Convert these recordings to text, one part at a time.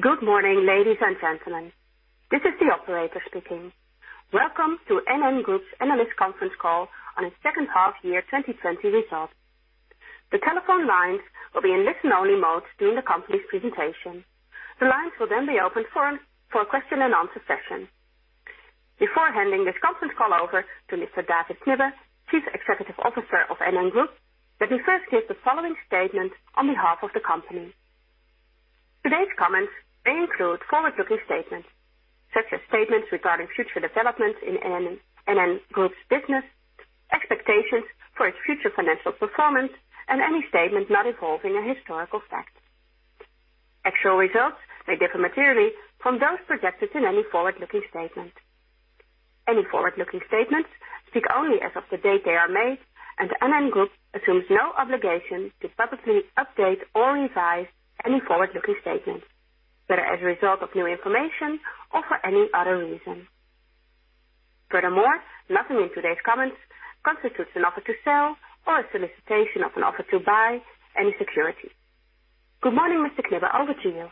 Good morning, ladies and gentlemen. This is the operator speaking. Welcome to NN Group's analyst conference call on the second half year 2020 results. The telephone lines will be in listen-only mode during the company's presentation. The lines will then be open for a question and answer session. Before handing this conference call over to Mr. David Knibbe, Chief Executive Officer of NN Group, let me first give the following statement on behalf of the company. Today's comments may include forward-looking statements, such as statements regarding future developments in NN Group's business, expectations for its future financial performance, and any statement not involving a historical fact. Actual results may differ materially from those projected in any forward-looking statement. Any forward-looking statements speak only as of the date they are made, and NN Group assumes no obligation to publicly update or revise any forward-looking statements, whether as a result of new information or for any other reason. Furthermore, nothing in today's comments constitutes an offer to sell or a solicitation of an offer to buy any security. Good morning, Mr. Knibbe. Over to you.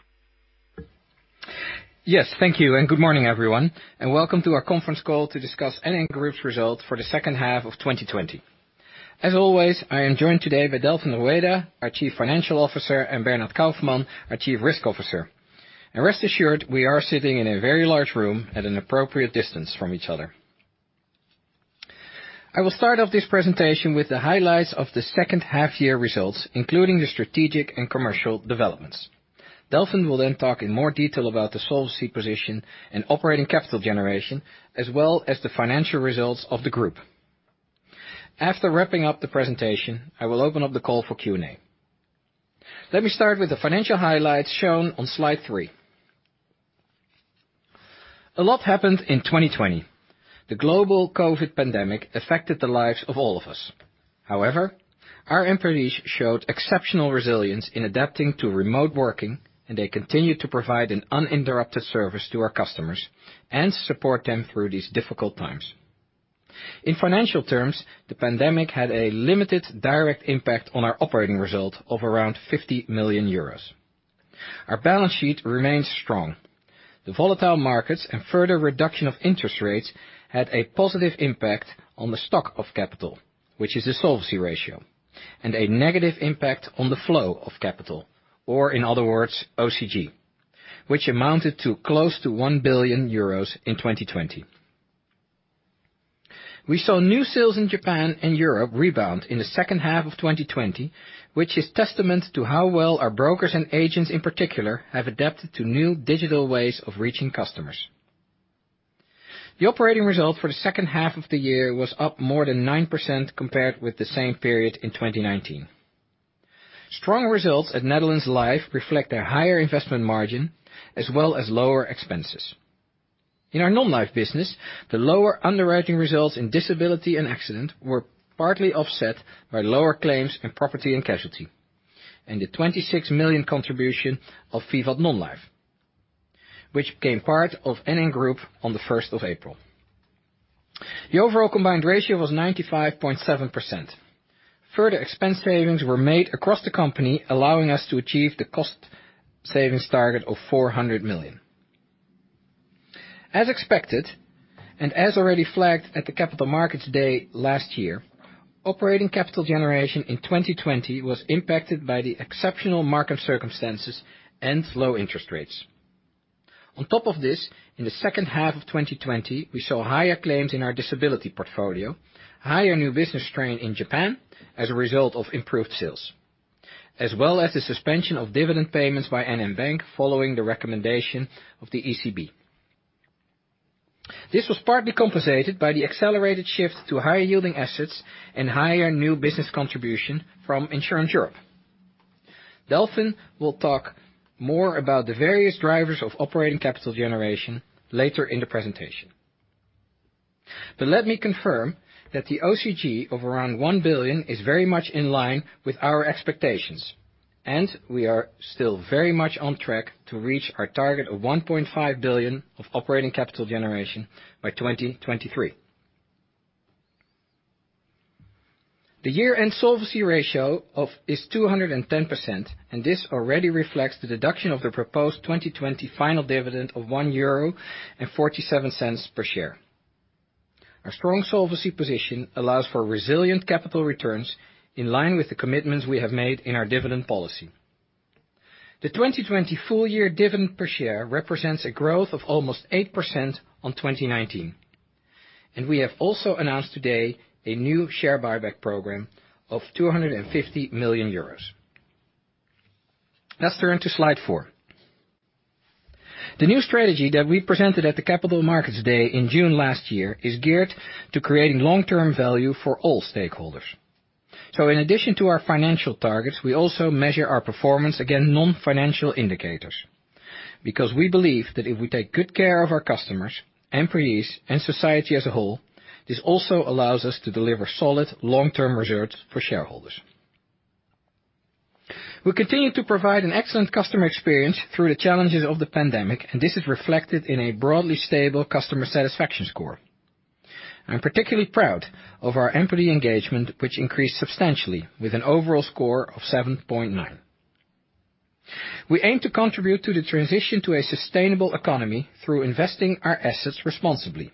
Yes. Thank you, good morning, everyone, and welcome to our conference call to discuss NN Group's results for the second half of 2020. As always, I am joined today by Delfin Rueda, our Chief Financial Officer, and Bernhard Kaufmann, our Chief Risk Officer. Rest assured, we are sitting in a very large room at an appropriate distance from each other. I will start off this presentation with the highlights of the second-half-year results, including the strategic and commercial developments. Delfin will then talk in more detail about the solvency position and operating capital generation, as well as the financial results of the group. After wrapping up the presentation, I will open up the call for Q&A. Let me start with the financial highlights shown on slide three. A lot happened in 2020. The global COVID pandemic affected the lives of all of us. However, our employees showed exceptional resilience in adapting to remote working, and they continued to provide an uninterrupted service to our customers and support them through these difficult times. In financial terms, the pandemic had a limited direct impact on our operating result of around 50 million euros. Our balance sheet remains strong. The volatile markets and further reduction of interest rates had a positive impact on the stock of capital, which is the solvency ratio, and a negative impact on the flow of capital, or in other words, OCG, which amounted to close to 1 billion euros in 2020. We saw new sales in Japan and Europe rebound in the second half of 2020, which is testament to how well our brokers and agents in particular have adapted to new digital ways of reaching customers. The operating result for the second half of the year was up more than 9% compared with the same period in 2019. Strong results at Netherlands Life reflect a higher investment margin as well as lower expenses. In our Non-life business, the lower underwriting results in disability and accident were partly offset by lower claims in property and casualty, and the 26 million contribution of VIVAT Non-life, which became part of NN Group on the 1st of April. The overall combined ratio was 95.7%. Further expense savings were made across the company, allowing us to achieve the cost savings target of 400 million. As expected, and as already flagged at the Capital Markets Day last year, operating capital generation in 2020 was impacted by the exceptional market circumstances and low interest rates. On top of this, in the second half of 2020, we saw higher claims in our disability portfolio, higher new business strain in Japan as a result of improved sales, as well as the suspension of dividend payments by NN Bank following the recommendation of the ECB. This was partly compensated by the accelerated shift to higher-yielding assets and higher new business contribution from Insurance Europe. Delfin will talk more about the various drivers of operating capital generation later in the presentation. Let me confirm that the OCG of around 1 billion is very much in line with our expectations. We are still very much on track to reach our target of 1.5 billion of operating capital generation by 2023. The year-end solvency ratio is 210%, and this already reflects the deduction of the proposed 2020 final dividend of 1.47 euro per share. Our strong solvency position allows for resilient capital returns in line with the commitments we have made in our dividend policy. The 2020 full year dividend per share represents a growth of almost 8% on 2019. We have also announced today a new share buyback program of 250 million euros. Let's turn to slide four. The new strategy that we presented at the Capital Markets Day in June last year is geared to creating long-term value for all stakeholders. In addition to our financial targets, we also measure our performance against non-financial indicators because we believe that if we take good care of our customers, employees, and society as a whole, this also allows us to deliver solid long-term results for shareholders. We continue to provide an excellent customer experience through the challenges of the pandemic, and this is reflected in a broadly stable customer satisfaction score. I'm particularly proud of our employee engagement, which increased substantially with an overall score of 7.9. We aim to contribute to the transition to a sustainable economy through investing our assets responsibly.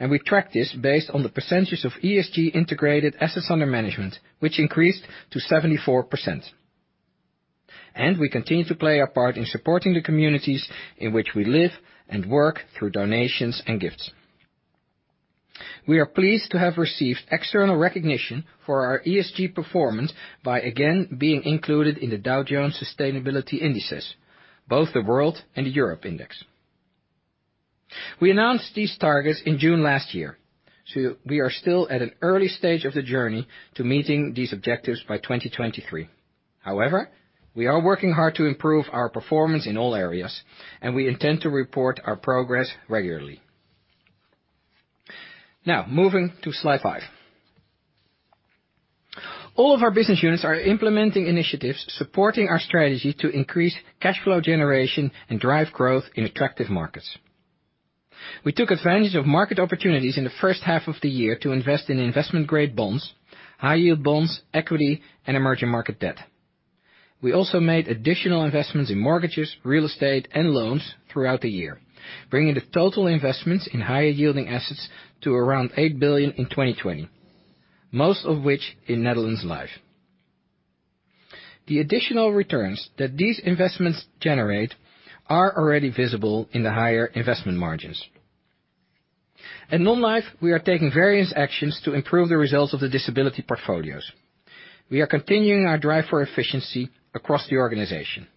We track this based on the percentage of ESG integrated assets under management, which increased to 74%. We continue to play our part in supporting the communities in which we live and work through donations and gifts. We are pleased to have received external recognition for our ESG performance by again being included in the Dow Jones Sustainability Indices, both the World and the Europe Index. We announced these targets in June last year, so we are still at an early stage of the journey to meeting these objectives by 2023. However, we are working hard to improve our performance in all areas, and we intend to report our progress regularly. Now moving to slide five. All of our business units are implementing initiatives supporting our strategy to increase cash flow generation and drive growth in attractive markets. We took advantage of market opportunities in the first half of the year to invest in investment-grade bonds, high-yield bonds, equity, and emerging market debt. We also made additional investments in mortgages, real estate, and loans throughout the year, bringing the total investments in higher-yielding assets to around 8 billion in 2020. Most of which in Netherlands Life. The additional returns that these investments generate are already visible in the higher investment margins. At Non-life, we are taking various actions to improve the results of the disability portfolios. We are continuing our drive for efficiency across the organization.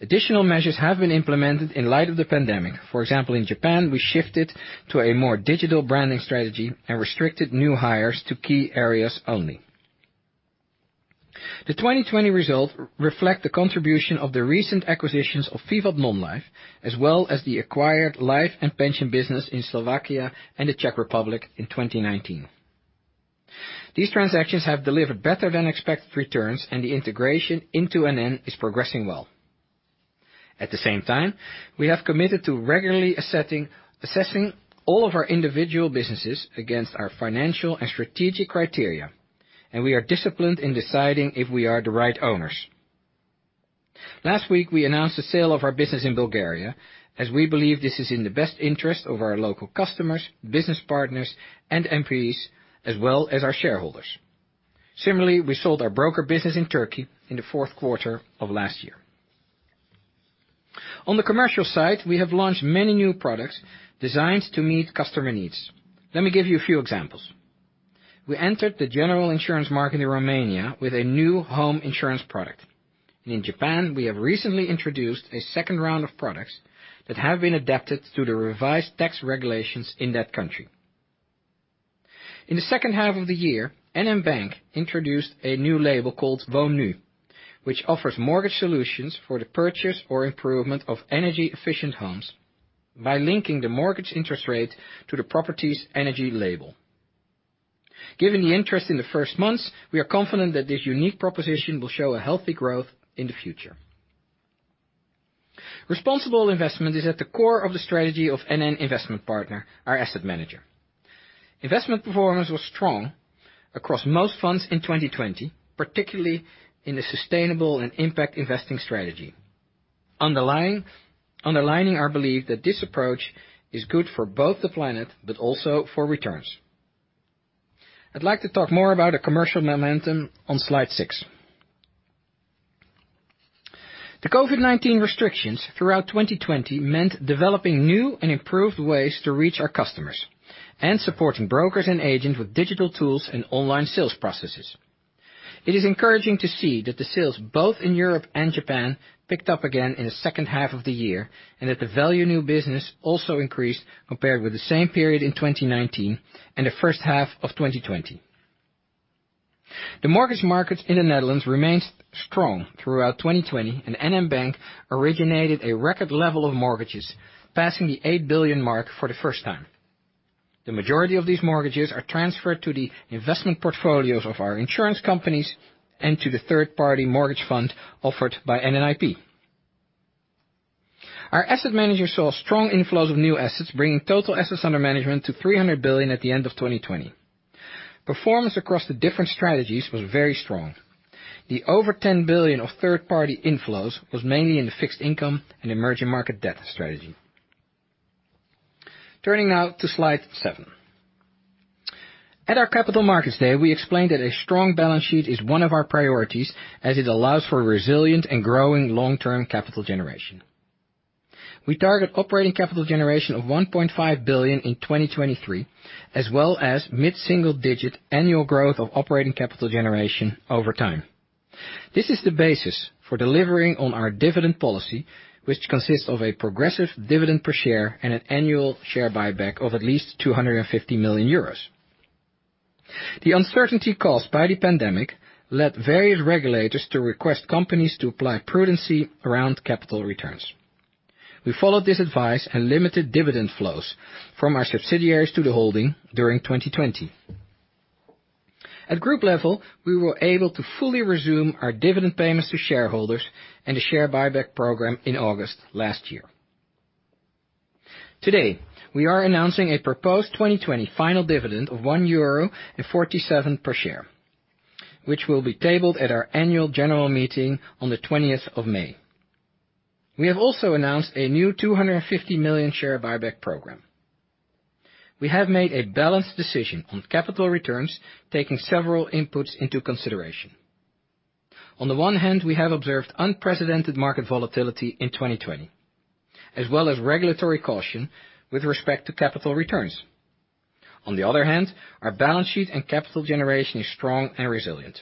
Additional measures have been implemented in light of the pandemic. For example, in Japan, we shifted to a more digital branding strategy and restricted new hires to key areas only. The 2020 results reflect the contribution of the recent acquisitions of VIVAT Non-life, as well as the acquired Life & Pension business in Slovakia and the Czech Republic in 2019. These transactions have delivered better than expected returns, and the integration into NN is progressing well. At the same time, we have committed to regularly assessing all of our individual businesses against our financial and strategic criteria, and we are disciplined in deciding if we are the right owners. Last week we announced the sale of our business in Bulgaria as we believe this is in the best interest of our local customers, business partners and employees, as well as our shareholders. Similarly, we sold our broker business in Turkey in the fourth quarter of last year. On the commercial side, we have launched many new products designed to meet customer needs. Let me give you a few examples. We entered the general insurance market in Romania with a new home insurance product. In Japan, we have recently introduced a second round of products that have been adapted to the revised tax regulations in that country. In the second half of the year, NN Bank introduced a new label called Woonnu, which offers mortgage solutions for the purchase or improvement of energy-efficient homes by linking the mortgage interest rate to the property's energy label. Given the interest in the first months, we are confident that this unique proposition will show a healthy growth in the future. Responsible investment is at the core of the strategy of NN Investment Partners, our asset manager. Investment performance was strong across most funds in 2020, particularly in the sustainable and impact investing strategy. Underlining our belief that this approach is good for both the planet but also for returns. I'd like to talk more about the commercial momentum on slide six. The COVID-19 restrictions throughout 2020 meant developing new and improved ways to reach our customers and supporting brokers and agents with digital tools and online sales processes. It is encouraging to see that the sales both in Europe and Japan picked up again in the second half of the year, and that the value of new business also increased compared with the same period in 2019 and the first half of 2020. The mortgage market in the Netherlands remained strong throughout 2020, and NN Bank originated a record level of mortgages, passing the 8 billion mark for the first time. The majority of these mortgages are transferred to the investment portfolios of our insurance companies and to the third-party mortgage fund offered by NNIP. Our asset manager saw strong inflows of new assets, bringing total assets under management to 300 billion at the end of 2020. Performance across the different strategies was very strong. The over 10 billion of third-party inflows was mainly in the fixed income and emerging market debt strategy. Turning now to slide seven. At our Capital Markets Day, we explained that a strong balance sheet is one of our priorities as it allows for resilient and growing long-term capital generation. We target operating capital generation of 1.5 billion in 2023, as well as mid-single digit annual growth of operating capital generation over time. This is the basis for delivering on our dividend policy, which consists of a progressive dividend per share and an annual share buyback of at least 250 million euros. The uncertainty caused by the pandemic led various regulators to request companies to apply prudency around capital returns. We followed this advice and limited dividend flows from our subsidiaries to the holding during 2020. At group level, we were able to fully resume our dividend payments to shareholders and a share buyback program in August last year. Today, we are announcing a proposed 2020 final dividend of 1.47 euro per share, which will be tabled at our annual general meeting on the 20th of May. We have also announced a new 250 million share buyback program. We have made a balanced decision on capital returns, taking several inputs into consideration. On the one hand, we have observed unprecedented market volatility in 2020, as well as regulatory caution with respect to capital returns. On the other hand, our balance sheet and capital generation is strong and resilient.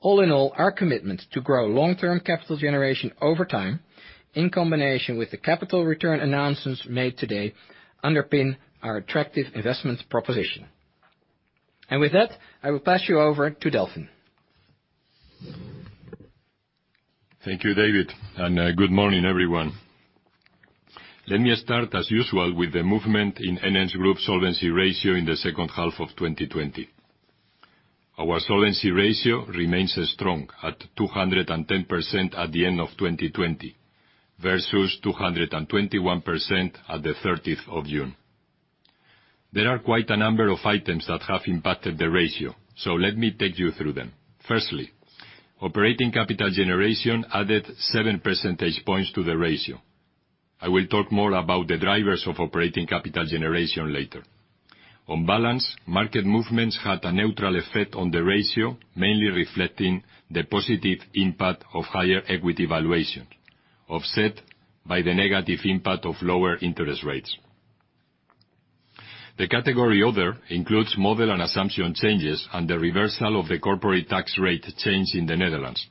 All in all, our commitment to grow long-term capital generation over time, in combination with the capital return announcements made today, underpin our attractive investment proposition. With that, I will pass you over to Delfin. Thank you, David, and good morning, everyone. Let me start, as usual, with the movement in NN Group solvency ratio in the second half of 2020. Our solvency ratio remains strong at 210% at the end of 2020, versus 221% at the 30th of June. There are quite a number of items that have impacted the ratio, so let me take you through them. Firstly, operating capital generation added seven percentage points to the ratio. I will talk more about the drivers of operating capital generation later. On balance, market movements had a neutral effect on the ratio, mainly reflecting the positive impact of higher equity valuation, offset by the negative impact of lower interest rates. The category other includes model and assumption changes and the reversal of the corporate tax rate change in the Netherlands,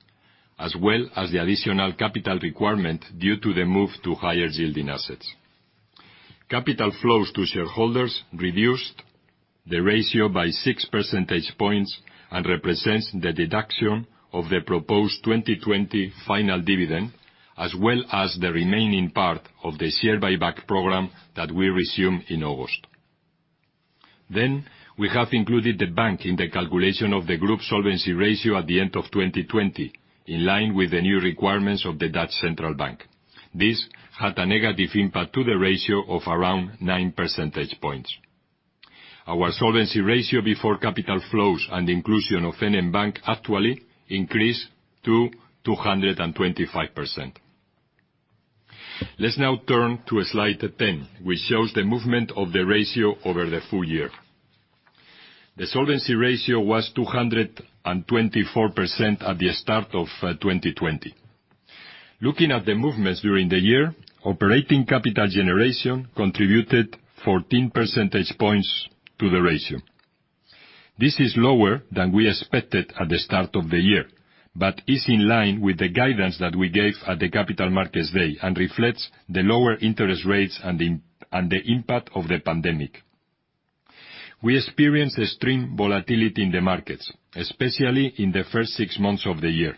as well as the additional capital requirement due to the move to higher yielding assets. Capital flows to shareholders reduced the ratio by 6 percentage points, and represents the deduction of the proposed 2020 final dividend, as well as the remaining part of the share buyback program that we resumed in August. We have included NN Bank in the calculation of the group solvency ratio at the end of 2020, in line with the new requirements of De Nederlandsche Bank. This had a negative impact to the ratio of around nine percentage points. Our solvency ratio before capital flows and inclusion of NN Bank actually increased to 225%. Let's now turn to slide 10, which shows the movement of the ratio over the full year. The solvency ratio was 224% at the start of 2020. Looking at the movements during the year, operating capital generation contributed 14 percentage points to the ratio. This is lower than we expected at the start of the year, but is in line with the guidance that we gave at the Capital Markets Day, and reflects the lower interest rates and the impact of the pandemic. We experienced extreme volatility in the markets, especially in the first six months of the year.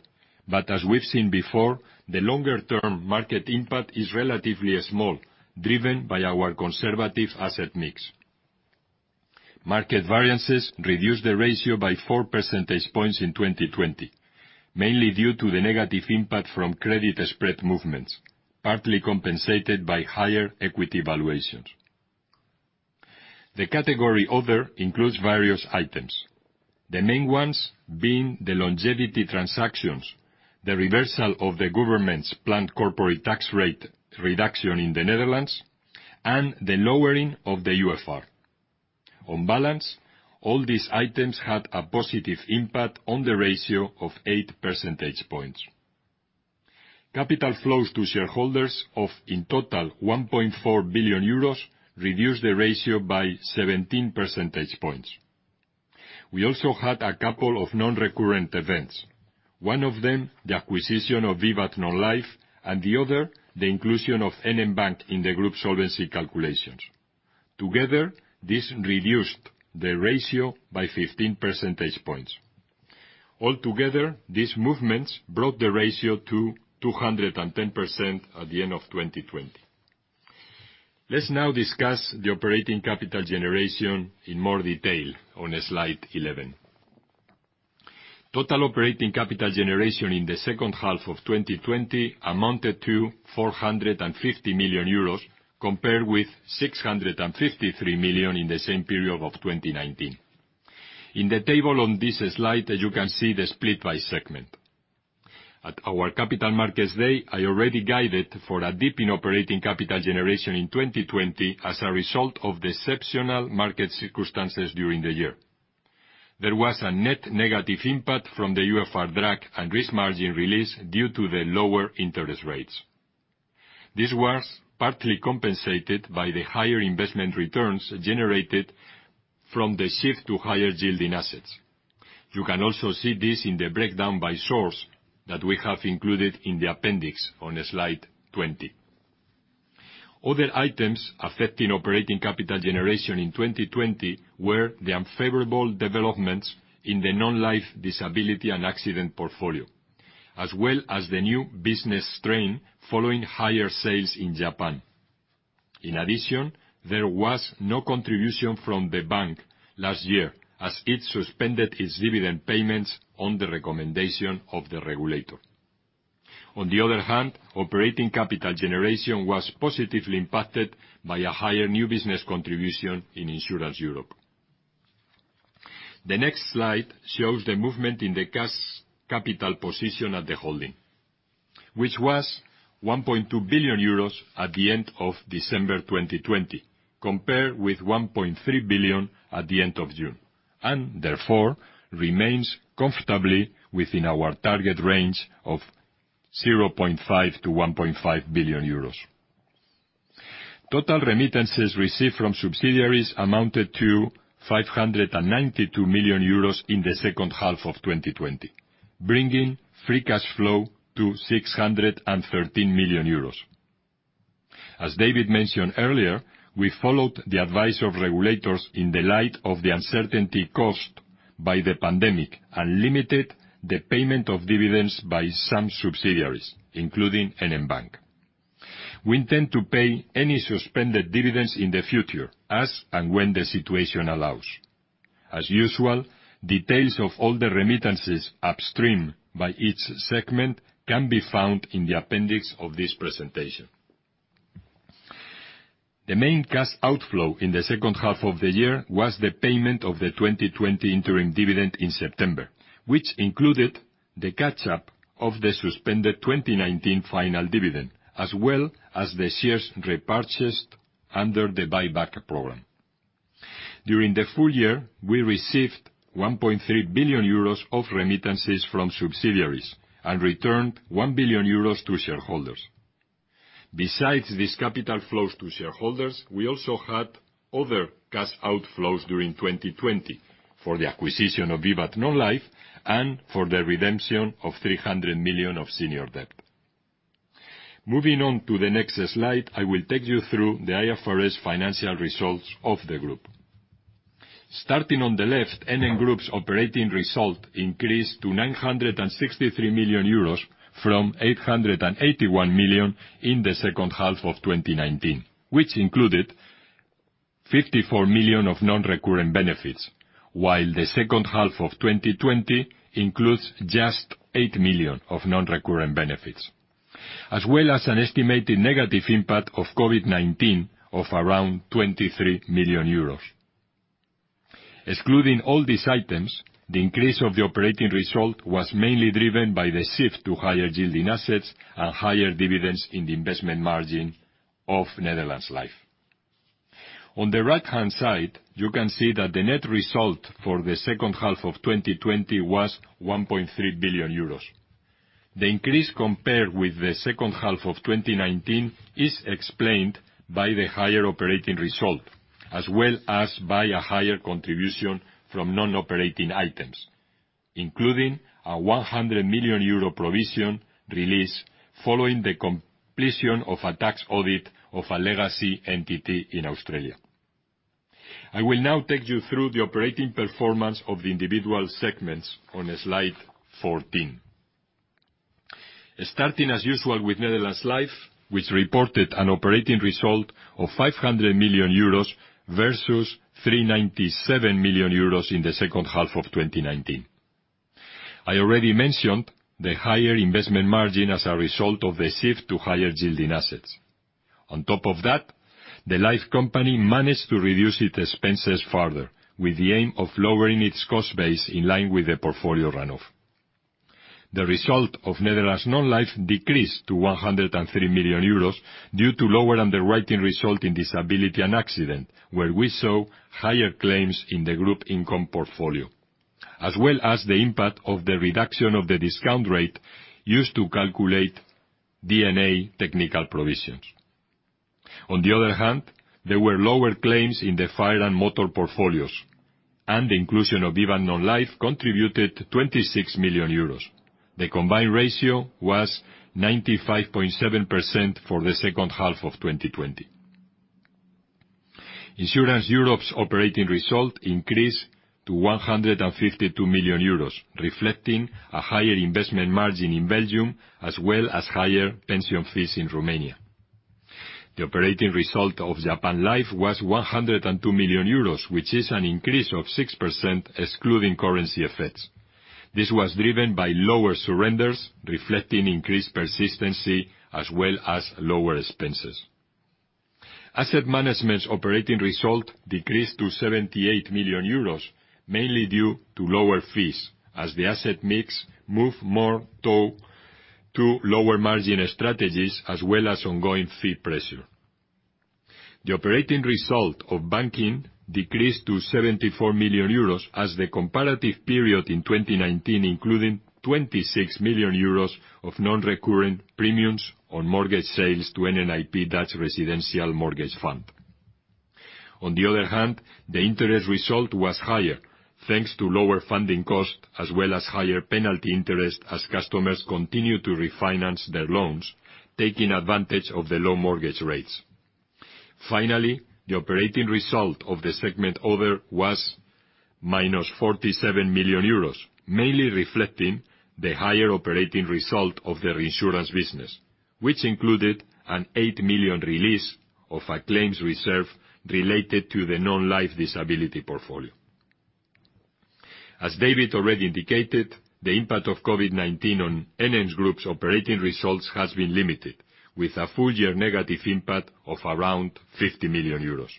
As we've seen before, the longer-term market impact is relatively small, driven by our conservative asset mix. Market variances reduced the ratio by 4 percentage points in 2020, mainly due to the negative impact from credit spread movements, partly compensated by higher equity valuations. The category other includes various items. The main ones being the longevity transactions, the reversal of the government's planned corporate tax rate reduction in the Netherlands, and the lowering of the UFR. On balance, all these items had a positive impact on the ratio of eight percentage points. Capital flows to shareholders of, in total, 1.4 billion euros, reduced the ratio by 17 percentage points. We also had a couple of non-recurrent events. One of them, the acquisition of VIVAT Non-life, and the other, the inclusion of NN Bank in the group solvency calculations. Together, this reduced the ratio by 15 percentage points. Altogether, these movements brought the ratio to 210% at the end of 2020. Let's now discuss the operating capital generation in more detail on slide 11. Total operating capital generation in the second half of 2020 amounted to 450 million euros, compared with 653 million in the same period of 2019. In the table on this slide, you can see the split by segment. At our Capital Markets Day, I already guided for a dip in operating capital generation in 2020 as a result of the exceptional market circumstances during the year. There was a net negative impact from the UFR drag and risk margin release due to the lower interest rates. This was partly compensated by the higher investment returns generated from the shift to higher yielding assets. You can also see this in the breakdown by source that we have included in the appendix on slide 20. Other items affecting operating capital generation in 2020 were the unfavorable developments in the Non-life disability and accident portfolio, as well as the new business strain following higher sales in Japan. There was no contribution from the bank last year as it suspended its dividend payments on the recommendation of the regulator. Operating capital generation was positively impacted by a higher new business contribution in Insurance Europe. The next slide shows the movement in the cash capital position at the holding, which was 1.2 billion euros at the end of December 2020, compared with 1.3 billion at the end of June, and therefore remains comfortably within our target range of 0.5 billion-1.5 billion euros. Total remittances received from subsidiaries amounted to 592 million euros in the second half of 2020, bringing free cash flow to 613 million euros. As David mentioned earlier, we followed the advice of regulators in the light of the uncertainty caused by the pandemic, and limited the payment of dividends by some subsidiaries, including NN Bank. We intend to pay any suspended dividends in the future, as and when the situation allows. As usual, details of all the remittances upstream by each segment can be found in the appendix of this presentation. The main cash outflow in the second half of the year was the payment of the 2020 interim dividend in September, which included the catch-up of the suspended 2019 final dividend, as well as the shares repurchased under the buyback program. During the full year, we received 1.3 billion euros of remittances from subsidiaries and returned 1 billion euros to shareholders. Besides these capital flows to shareholders, we also had other cash outflows during 2020 for the acquisition of VIVAT Non-life and for the redemption of 300 million of senior debt. Moving on to the next slide, I will take you through the IFRS financial results of the group. Starting on the left, NN Group's operating result increased to 963 million euros from 881 million in the second half of 2019, which included 54 million of non-recurrent benefits. The second half of 2020 includes just 8 million of non-recurrent benefits, as well as an estimated negative impact of COVID-19 of around 23 million euros. Excluding all these items, the increase of the operating result was mainly driven by the shift to higher yielding assets and higher dividends in the investment margin of Netherlands Life. On the right-hand side, you can see that the net result for the second half of 2020 was 1.3 billion euros. The increase compared with the second half of 2019 is explained by the higher operating result, as well as by a higher contribution from non-operating items, including a 100 million euro provision release following the completion of a tax audit of a legacy entity in Australia. I will now take you through the operating performance of the individual segments on slide 14. Starting as usual with Netherlands Life, which reported an operating result of 500 million euros versus 397 million euros in the second half of 2019. I already mentioned the higher investment margin as a result of the shift to higher yielding assets. On top of that, the life company managed to reduce its expenses further, with the aim of lowering its cost base in line with the portfolio run-off. The result of Netherlands Non-life decreased to 103 million euros due to lower underwriting result in disability and accident, where we saw higher claims in the group income portfolio, as well as the impact of the reduction of the discount rate used to calculate DNB technical provisions. The inclusion of VIVAT Non-life contributed 26 million euros. The combined ratio was 95.7% for the second half of 2020. Insurance Europe's operating result increased to 152 million euros, reflecting a higher investment margin in Belgium as well as higher pension fees in Romania. The operating result of Japan Life was 102 million euros, which is an increase of 6% excluding currency effects. This was driven by lower surrenders, reflecting increased persistency as well as lower expenses. Asset Management's operating result decreased to 78 million euros, mainly due to lower fees as the asset mix moved more to lower margin strategies as well as ongoing fee pressure. The operating result of banking decreased to 74 million euros as the comparative period in 2019 including 26 million euros of non-recurrent premiums on mortgage sales to NN IP Dutch Residential Mortgage Fund. On the other hand, the interest result was higher thanks to lower funding costs as well as higher penalty interest as customers continued to refinance their loans, taking advantage of the low mortgage rates. Finally, the operating result of the segment other was minus 47 million euros, mainly reflecting the higher operating result of the reinsurance business, which included an 8 million release of a claims reserve related to the Non-life disability portfolio. As David already indicated, the impact of COVID-19 on NN Group's operating results has been limited with a full year negative impact of around 50 million euros.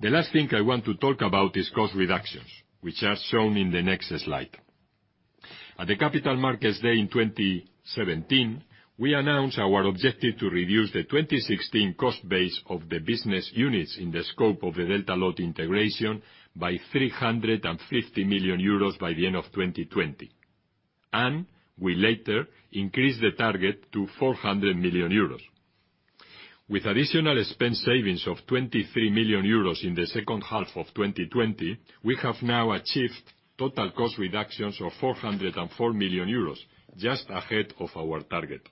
The last thing I want to talk about is cost reductions, which are shown in the next slide. At the Capital Markets Day in 2017, we announced our objective to reduce the 2016 cost base of the business units in the scope of the Delta Lloyd integration by 350 million euros by the end of 2020. We later increased the target to 400 million euros. With additional expense savings of 23 million euros in the second half of 2020, we have now achieved total cost reductions of 404 million euros, just ahead of our target.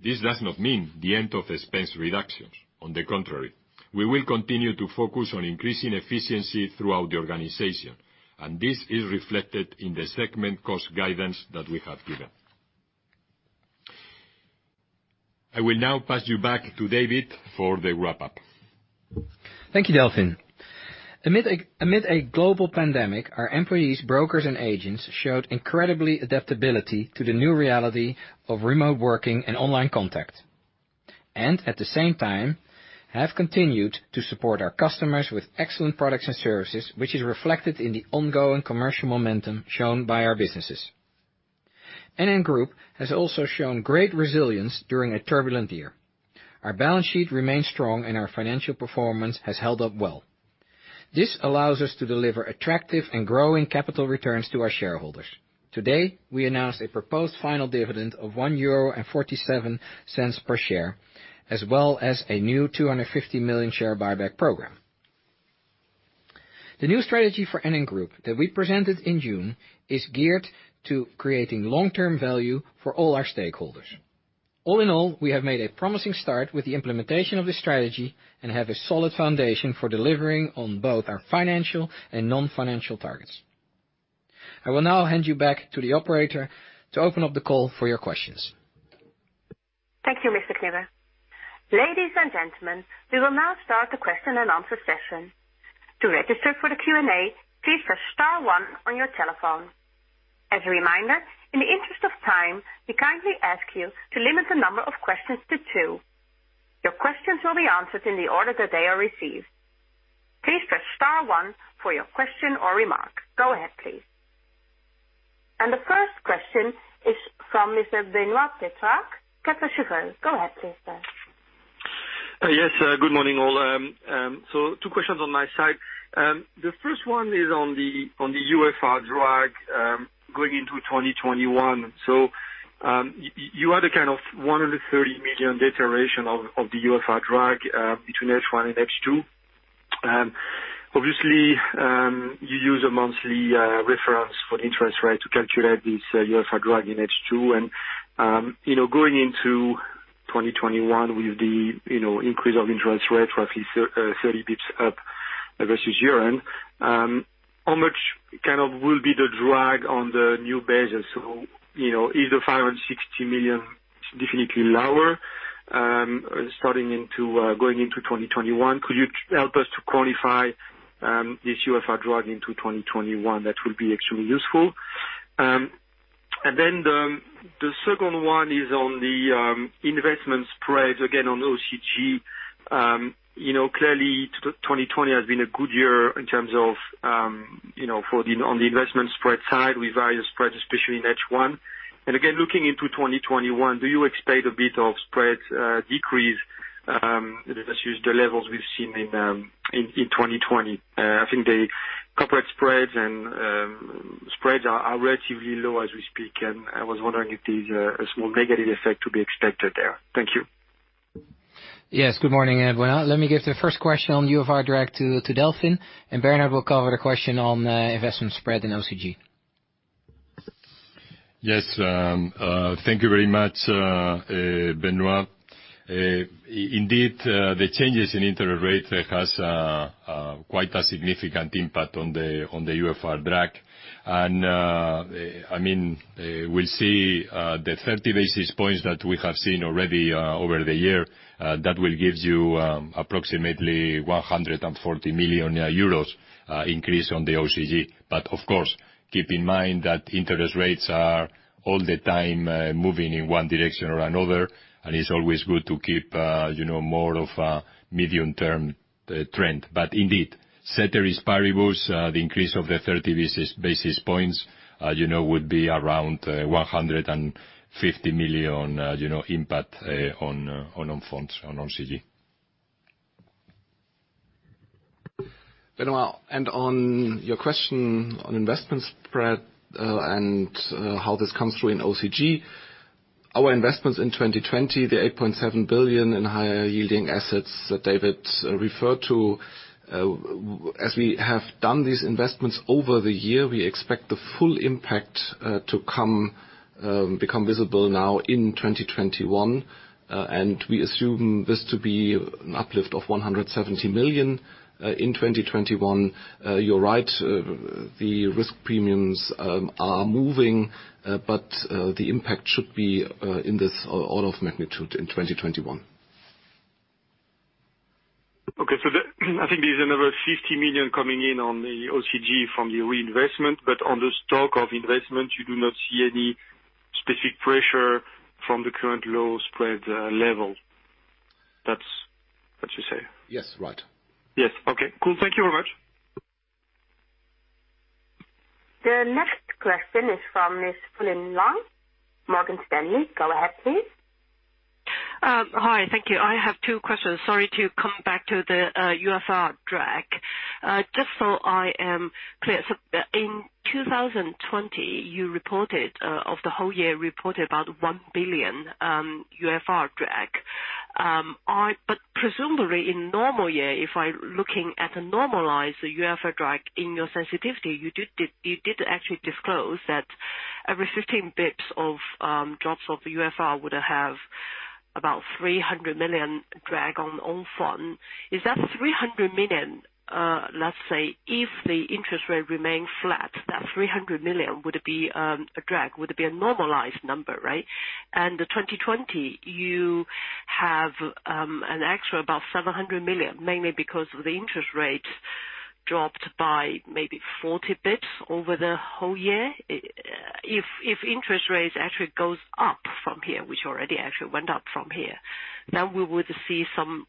This does not mean the end of expense reductions. On the contrary, we will continue to focus on increasing efficiency throughout the organization, and this is reflected in the segment cost guidance that we have given. I will now pass you back to David for the wrap-up. Thank you, Delfin. Amid a global pandemic, our employees, brokers, and agents showed incredible adaptability to the new reality of remote working and online contact. At the same time, have continued to support our customers with excellent products and services, which is reflected in the ongoing commercial momentum shown by our businesses. NN Group has also shown great resilience during a turbulent year. Our balance sheet remains strong, and our financial performance has held up well. This allows us to deliver attractive and growing capital returns to our shareholders. Today, we announced a proposed final dividend of 1.47 euro per share, as well as a new 250 million share buyback program. The new strategy for NN Group that we presented in June is geared to creating long-term value for all our stakeholders All in all, we have made a promising start with the implementation of this strategy and have a solid foundation for delivering on both our financial and non-financial targets. I will now hand you back to the operator to open up the call for your questions. Thank you, Mr. Knibbe. Ladies and gentlemen, we will now start the question-and-answer session. To register for the Q&A, please press star one on your telephone. As a reminder, in the interest of time, we kindly ask you to limit the number of questions to two. Your questions will be answered in the order that they are received. Please press star one for your question or remark. Go ahead, please. The first question is from Mr. Benoit Petrarque, Kepler Cheuvreux. Go ahead, please, sir. Yes. Good morning, all. Two questions on my side. The first one is on the UFR drag, going into 2021. You had a kind of 130 million deterioration of the UFR drag between H1 and H2. Obviously, you use a monthly reference for the interest rate to calculate this UFR drag in H2. Going into 2021 with the increase of interest rate roughly 30 basis points up versus EUR, how much will be the drag on the new basis? Is the 560 million definitely lower going into 2021? Could you help us to quantify this UFR drag into 2021? That will be extremely useful. The second one is on the investment spreads, again, on OCG. Clearly, 2020 has been a good year in terms of on the investment spread side with various spreads, especially in H1. Again, looking into 2021, do you expect a bit of spread decrease versus the levels we've seen in 2020? I think the corporate spreads and spreads are relatively low as we speak, and I was wondering if there's a small negative effect to be expected there. Thank you. Yes. Good morning, Benoit. Let me give the first question on UFR drag to Delfin, and Bernhard will cover the question on investment spread and OCG. Yes. Thank you very much, Benoit. Indeed, the changes in interest rate has quite a significant impact on the UFR drag. We'll see the 30 basis points that we have seen already over the year, that will give you approximately 140 million euros increase on the OCG. Of course, keep in mind that interest rates are all the time moving in one direction or another, and it is always good to keep more of a medium-term trend. Indeed, ceteris paribus, the increase of the 30 basis points would be around 150 million impact on funds, on OCG. Benoit, on your question on investment spread, and how this comes through in OCG. Our investments in 2020, the 8.7 billion in higher-yielding assets that David referred to. As we have done these investments over the year, we expect the full impact to become visible now in 2021. We assume this to be an uplift of 170 million in 2021. You're right, the risk premiums are moving, but the impact should be in this order of magnitude in 2021. I think there's another 50 million coming in on the OCG from the reinvestment. On the stock of investment, you do not see any specific pressure from the current low spread level. That's what you say? Yes. Right. Yes. Okay, cool. Thank you very much. The next question is from Ms. Fulin Liang, Morgan Stanley. Go ahead, please. Hi. Thank you. I have two questions. Sorry to come back to the UFR drag. Just so I am clear. In 2020, you reported, of the whole year, reported about 1 billion UFR drag. Presumably, in normal year, if I looking at a normalized UFR drag in your sensitivity, you did actually disclose that every 15 basis points of drops of UFR would have about 300 million drag on own fund. Is that 300 million, let's say, if the interest rate remains flat, that 300 million would be a drag, would be a normalized number, right? The 2020 you have an extra about 700 million, mainly because of the interest rate dropped by maybe 40 basis points over the whole year. If interest rates actually go up from here, which already actually went up from here, we would see some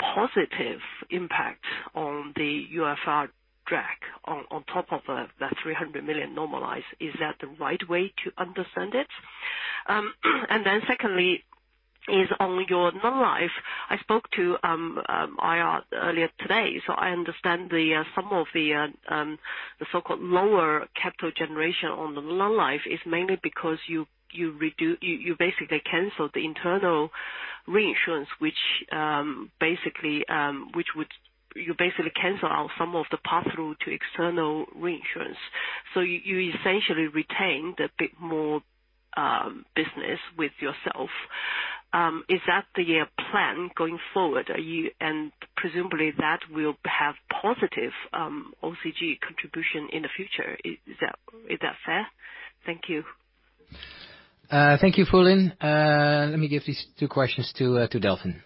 positive impact on the UFR drag on top of the 300 million normalized. Is that the right way to understand it? Secondly, is on your Non-life. I spoke to IR earlier today, so I understand the sum of the so-called lower capital generation on the Non-life is mainly because you basically canceled the internal reinsurance. You basically canceled out some of the pass-through to external reinsurance. You essentially retained a bit more business with yourself. Is that the plan going forward? Presumably that will have positive OCG contribution in the future. Is that fair? Thank you. Thank you, Fulin. Let me give these two questions to Delfin.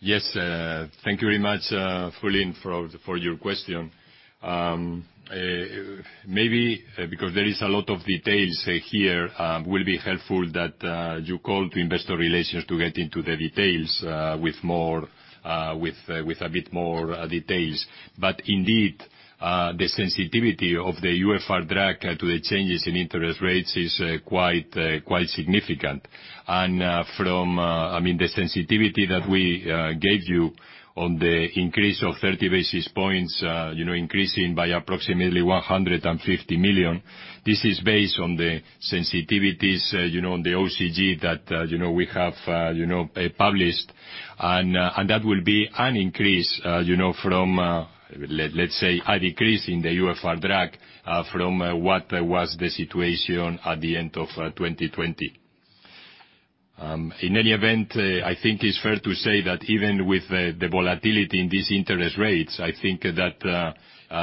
Thank you very much, Fulin, for your question. Maybe because there is a lot of details here, will be helpful that you call to investor relations to get into the details, with a bit more details. Indeed, the sensitivity of the UFR drag to the changes in interest rates is quite significant. From the sensitivity that we gave you on the increase of 30 basis points, increasing by approximately 150 million. This is based on the sensitivities on the OCG that we have published. That will be an increase from, let's say, a decrease in the UFR drag from what was the situation at the end of 2020. In any event, I think it's fair to say that even with the volatility in these interest rates, I think that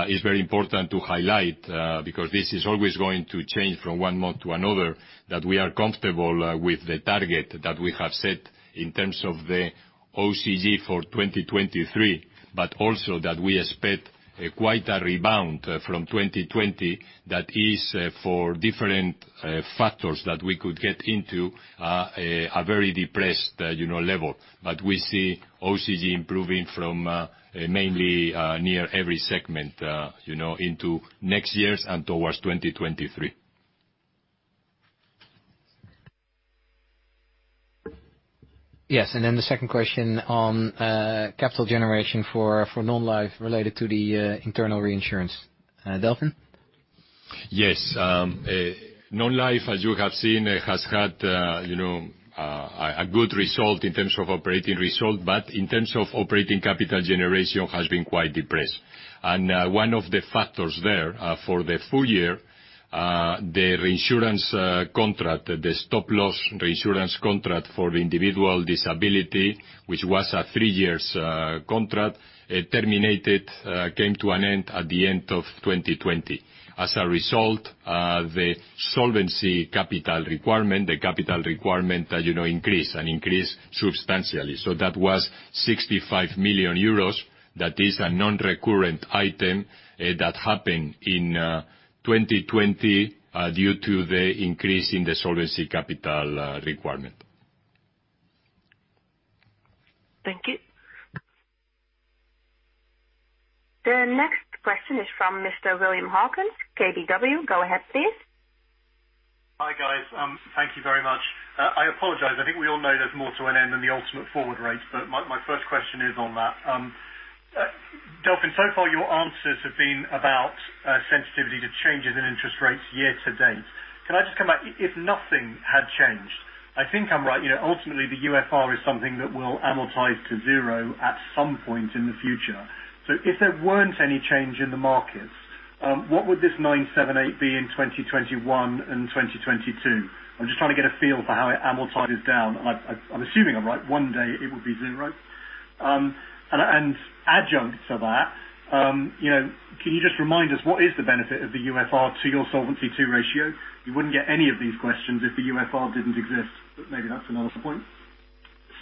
it's very important to highlight, because this is always going to change from one month to another, that we are comfortable with the target that we have set in terms of the OCG for 2023, but also that we expect quite a rebound from 2020, that is for different factors that we could get into a very depressed level. We see OCG improving from mainly near every segment into next year and towards 2023. Yes. The second question on capital generation for Non-life related to the internal reinsurance. Delfin? Yes. Non-life, as you have seen, has had a good result in terms of operating result, but in terms of Operating Capital Generation has been quite depressed. One of the factors there for the full year, the reinsurance contract, the stop-loss reinsurance contract for individual disability, which was a three years contract, terminated, came to an end at the end of 2020. As a result, the Solvency Capital Requirement, the capital requirement increased, and increased substantially. That was 65 million euros. That is a non-recurrent item that happened in 2020 due to the increase in the Solvency Capital Requirement. Thank you. The next question is from Mr. William Hawkins, KBW. Go ahead, please. Hi, guys. Thank you very much. I apologize. I think we all know there's more to NN than the ultimate forward rate, but my first question is on that. Delfin, so far, your answers have been about sensitivity to changes in interest rates year to date. Can I just come back? If nothing had changed, I think I'm right, ultimately, the UFR is something that will amortize to zero at some point in the future. If there weren't any change in the market, what would this 978 be in 2021 and 2022? I'm just trying to get a feel for how it amortizes down. I'm assuming I'm right, one day it would be zero. Adjunct to that, can you just remind us what is the benefit of the UFR to your Solvency II ratio? You wouldn't get any of these questions if the UFR didn't exist, but maybe that's another point.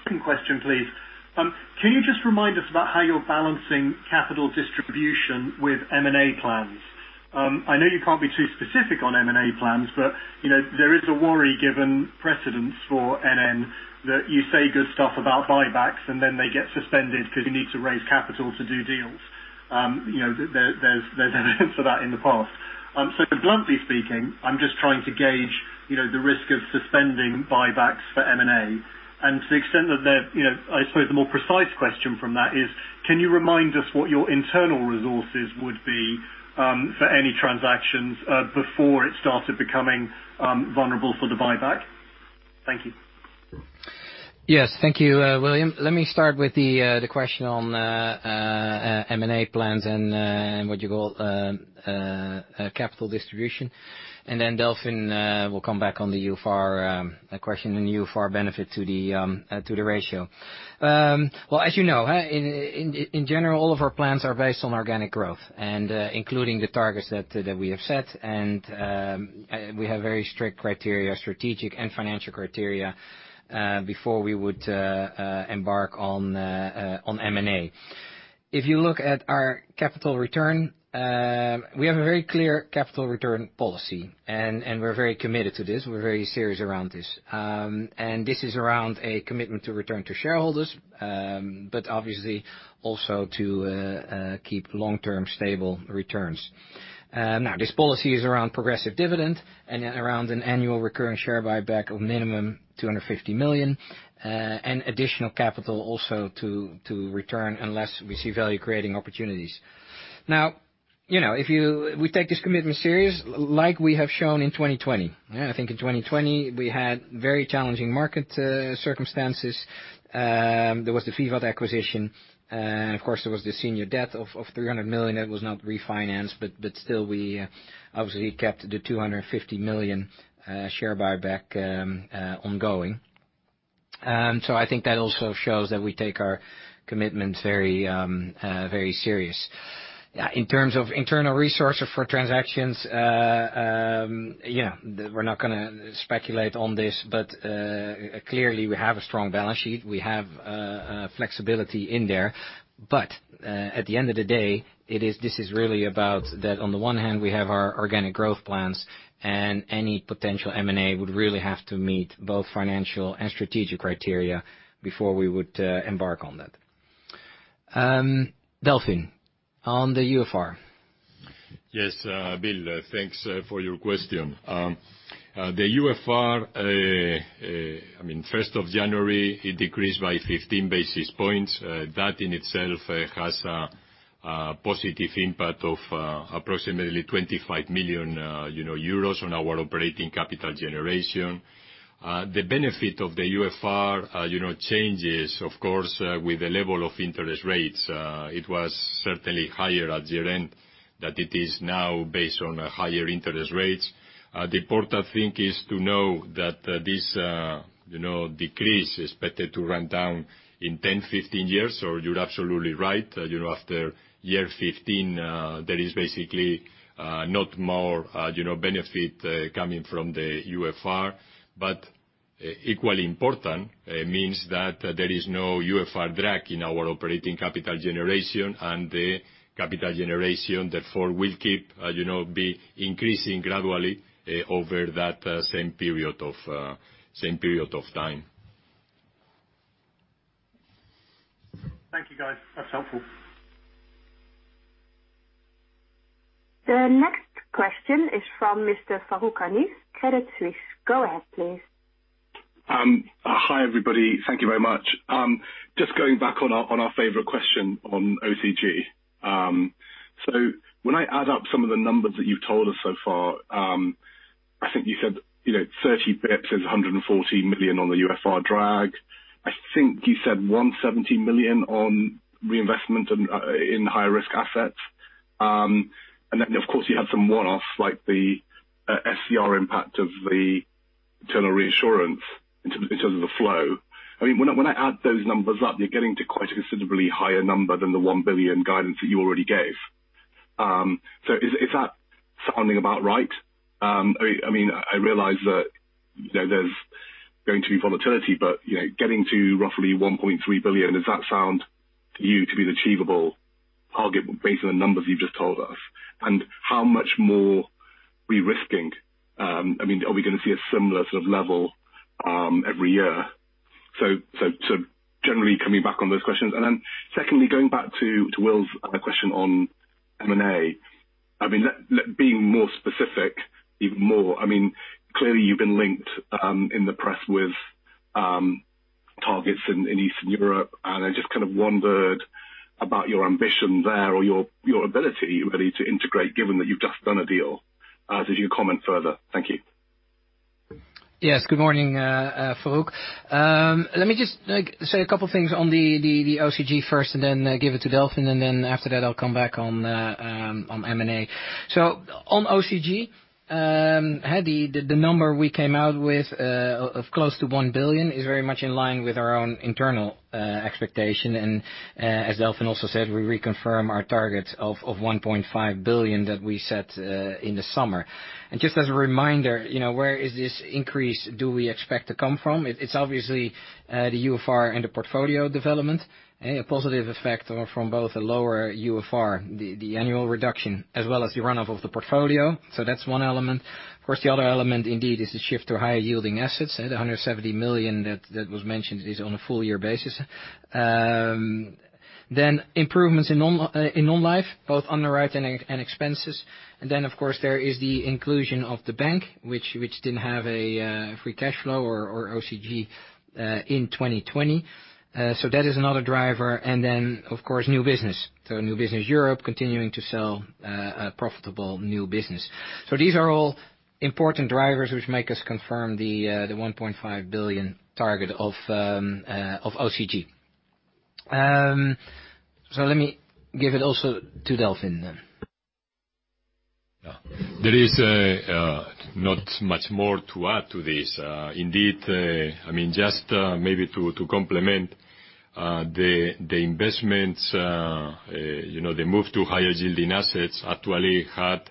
Second question, please. Can you just remind us about how you're balancing capital distribution with M&A plans? I know you can't be too specific on M&A plans, but there is a worry given precedence for NN, that you say good stuff about buybacks and then they get suspended because you need to raise capital to do deals. There's evidence of that in the past. Bluntly speaking, I'm just trying to gauge the risk of suspending buybacks for M&A. I suppose the more precise question from that is can you remind us what your internal resources would be, for any transactions before it started becoming vulnerable for the buyback? Thank you. Yes. Thank you, William. Let me start with the question on M&A plans and what you call capital distribution. Then Delfin will come back on the UFR question and UFR benefit to the ratio. Well, as you know, in general, all of our plans are based on organic growth, including the targets that we have set. We have very strict criteria, strategic and financial criteria, before we would embark on M&A. If you look at our capital return, we have a very clear capital return policy, and we're very committed to this. We're very serious around this. This is around a commitment to return to shareholders, but obviously also to keep long-term stable returns. Now, this policy is around progressive dividend and around an annual recurring share buyback of minimum 250 million, and additional capital also to return unless we see value-creating opportunities. We take this commitment serious like we have shown in 2020. I think in 2020, we had very challenging market circumstances. There was the VIVAT acquisition. Of course, there was the senior debt of 300 million that was not refinanced, still we obviously kept the 250 million share buyback ongoing. I think that also shows that we take our commitments very serious. In terms of internal resources for transactions, we're not going to speculate on this, clearly we have a strong balance sheet. We have flexibility in there. At the end of the day, this is really about that on the one hand, we have our organic growth plans and any potential M&A would really have to meet both financial and strategic criteria before we would embark on that. Delfin, on the UFR. Yes, Bill. Thanks for your question. The UFR, first of January, it decreased by 15 basis points. That in itself has a positive impact of approximately 25 million euros on our operating capital generation. The benefit of the UFR changes of course, with the level of interest rates. It was certainly higher at year-end than it is now based on higher interest rates. The important thing is to know that this decrease is expected to run down in 10-15 years, you're absolutely right. After year 15, there is basically not more benefit coming from the UFR. Equally important, it means that there is no UFR drag in our operating capital generation and the capital generation, therefore, will keep be increasing gradually over that same period of time. Thank you, guys. That's helpful. The next question is from Mr. Farooq Hanif, Credit Suisse. Go ahead, please. Hi, everybody. Thank you very much. Just going back on our favorite question on OCG. When I add up some of the numbers that you've told us so far, I think you said, 30 basis points is 140 million on the UFR drag. I think you said 170 million on reinvestment in high-risk assets. And then, of course, you have some one-offs like the SCR impact of the internal reinsurance in terms of the flow. When I add those numbers up, you're getting to quite a considerably higher number than the 1 billion guidance that you already gave. Is that sounding about right? I realize that there's going to be volatility, but getting to roughly 1.3 billion, does that sound to you to be the achievable target based on the numbers you've just told us? How much more risking, are we going to see a similar sort of level every year? Generally coming back on those questions. Secondly, going back to Will's question on M&A. Being more specific, even more, clearly you've been linked in the press with targets in Eastern Europe, and I just wondered about your ambition there or your ability really to integrate, given that you've just done a deal. Did you comment further? Thank you. Yes. Good morning, Farooq. Let me just say a couple things on the OCG first and then give it to Delfin, and then after that I'll come back on M&A. On OCG, Hanif, the number we came out with of close to 1 billion is very much in line with our own internal expectation. As Delfin also said, we reconfirm our target of 1.5 billion that we set in the summer. Just as a reminder, where is this increase do we expect to come from? It's obviously the UFR and the portfolio development, a positive effect from both a lower UFR, the annual reduction, as well as the run-off of the portfolio. That's one element. Of course, the other element indeed is the shift to higher yielding assets at 170 million that was mentioned is on a full year basis. Improvements in Non-life, both underwriting and expenses. Of course, there is the inclusion of the bank, which didn't have a free cash flow or OCG in 2020. That is another driver. Of course, new business. New business Europe continuing to sell a profitable new business. These are all important drivers which make us confirm the 1 billion target of OCG. Let me give it also to Delfin. Yeah. There is not much more to add to this. Indeed, just maybe to complement the investments, the move to higher yielding assets actually had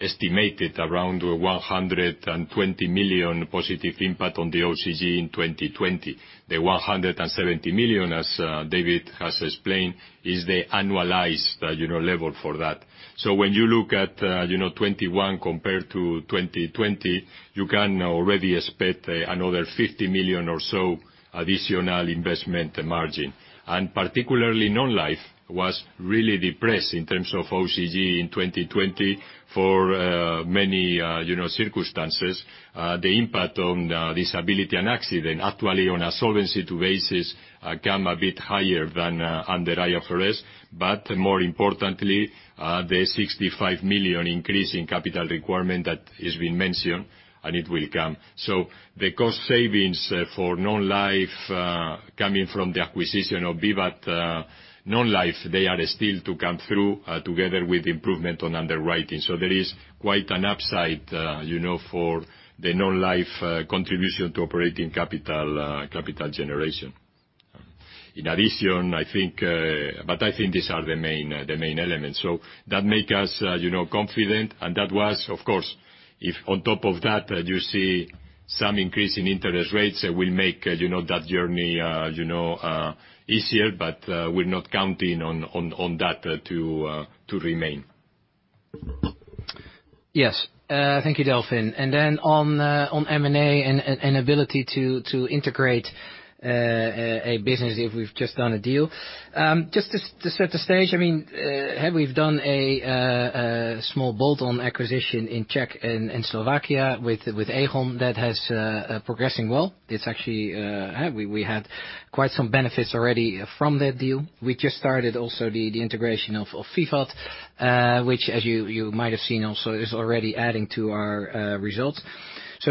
estimated around 120 million positive impact on the OCG in 2020. The 170 million, as David has explained, is the annualized level for that. When you look at 2021 compared to 2020, you can already expect another 50 million or so additional investment margin. Particularly Non-life was really depressed in terms of OCG in 2020 for many circumstances. The impact on disability and accident actually on a Solvency II basis come a bit higher than under IFRS. More importantly, the 65 million increase in capital requirement that has been mentioned, and it will come. The cost savings for Non-life coming from the acquisition of VIVAT Non-life, they are still to come through together with improvement on underwriting. There is quite an upside for the Non-life contribution to operating capital generation. I think these are the main elements. That make us confident, and that was, of course, if on top of that you see some increase in interest rates, will make that journey easier, but we're not counting on that to remain. Yes. Thank you, Delfin. On M&A and ability to integrate a business if we've just done a deal. Just to set the stage, we've done a small bolt-on acquisition in Czech and Slovakia with Aegon. That has progressing well. We had quite some benefits already from that deal. We just started also the integration of VIVAT, which as you might have seen also is already adding to our results.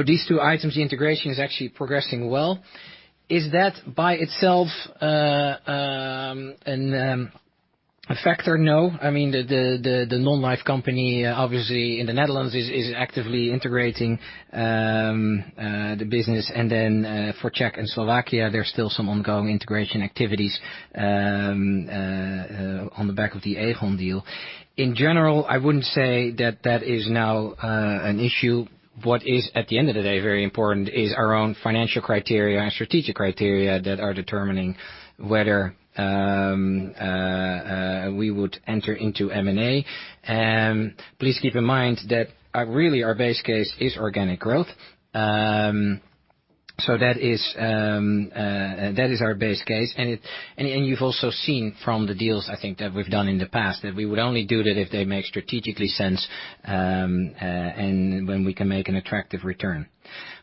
These two items, the integration is actually progressing well. Is that by itself a factor? No. The Non-life company, obviously in the Netherlands, is actively integrating the business. For Czech and Slovakia, there's still some ongoing integration activities on the back of the Aegon deal. In general, I wouldn't say that that is now an issue. What is, at the end of the day, very important is our own financial criteria and strategic criteria that are determining whether we would enter into M&A. Please keep in mind that really our base case is organic growth. That is our base case. You've also seen from the deals, I think, that we've done in the past, that we would only do that if they make strategic sense, and when we can make an attractive return.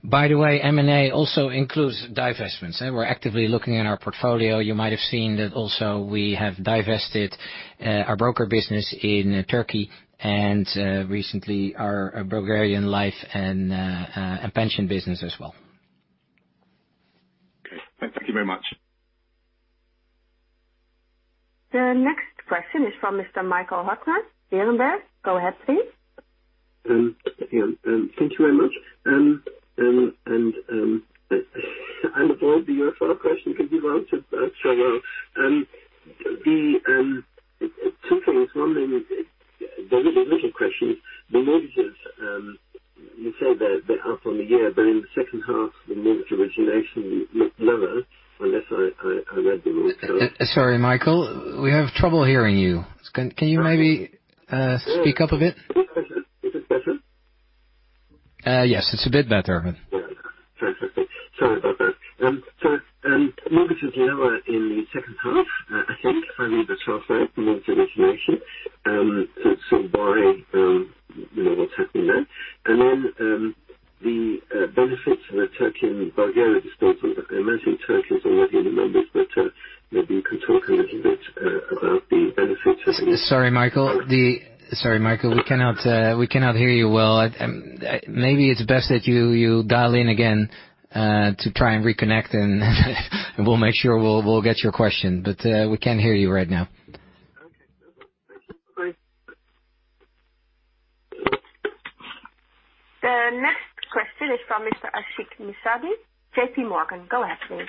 By the way, M&A also includes divestments. We're actively looking at our portfolio. You might have seen that also we have divested our broker business in Turkey and recently our Bulgarian Life and Pension business as well. Okay. Thank you very much. The next question is from Mr. Michael Huttner, Berenberg. Go ahead, please. Thank you very much. I'm afraid the UFR question could be answered that so well. Two things. One, the original question, the mortgages, you say they're up on the year, but in the second half, the mortgage origination looked lower. Unless I read them wrong? Sorry, Michael. We have trouble hearing you. Can you maybe speak up a bit? Is this better? Yes, it's a bit better. Yeah. Fantastic. Sorry about that. Mortgages lower in the second half, I think. I need to cross-check with some information. By what's happening there, and then the benefits of the Turkey and Bulgaria disposal. I imagine Turkey is already in the mix, but maybe you can talk a little bit about the benefits of- Sorry, Michael. We cannot hear you well. Maybe it's best that you dial in again, to try and reconnect and we'll make sure we'll get your question. We can't hear you right now. Okay. No problem. Thank you. Bye. The next question is from Mr. Ashik Musaddi, JPMorgan. Go ahead please.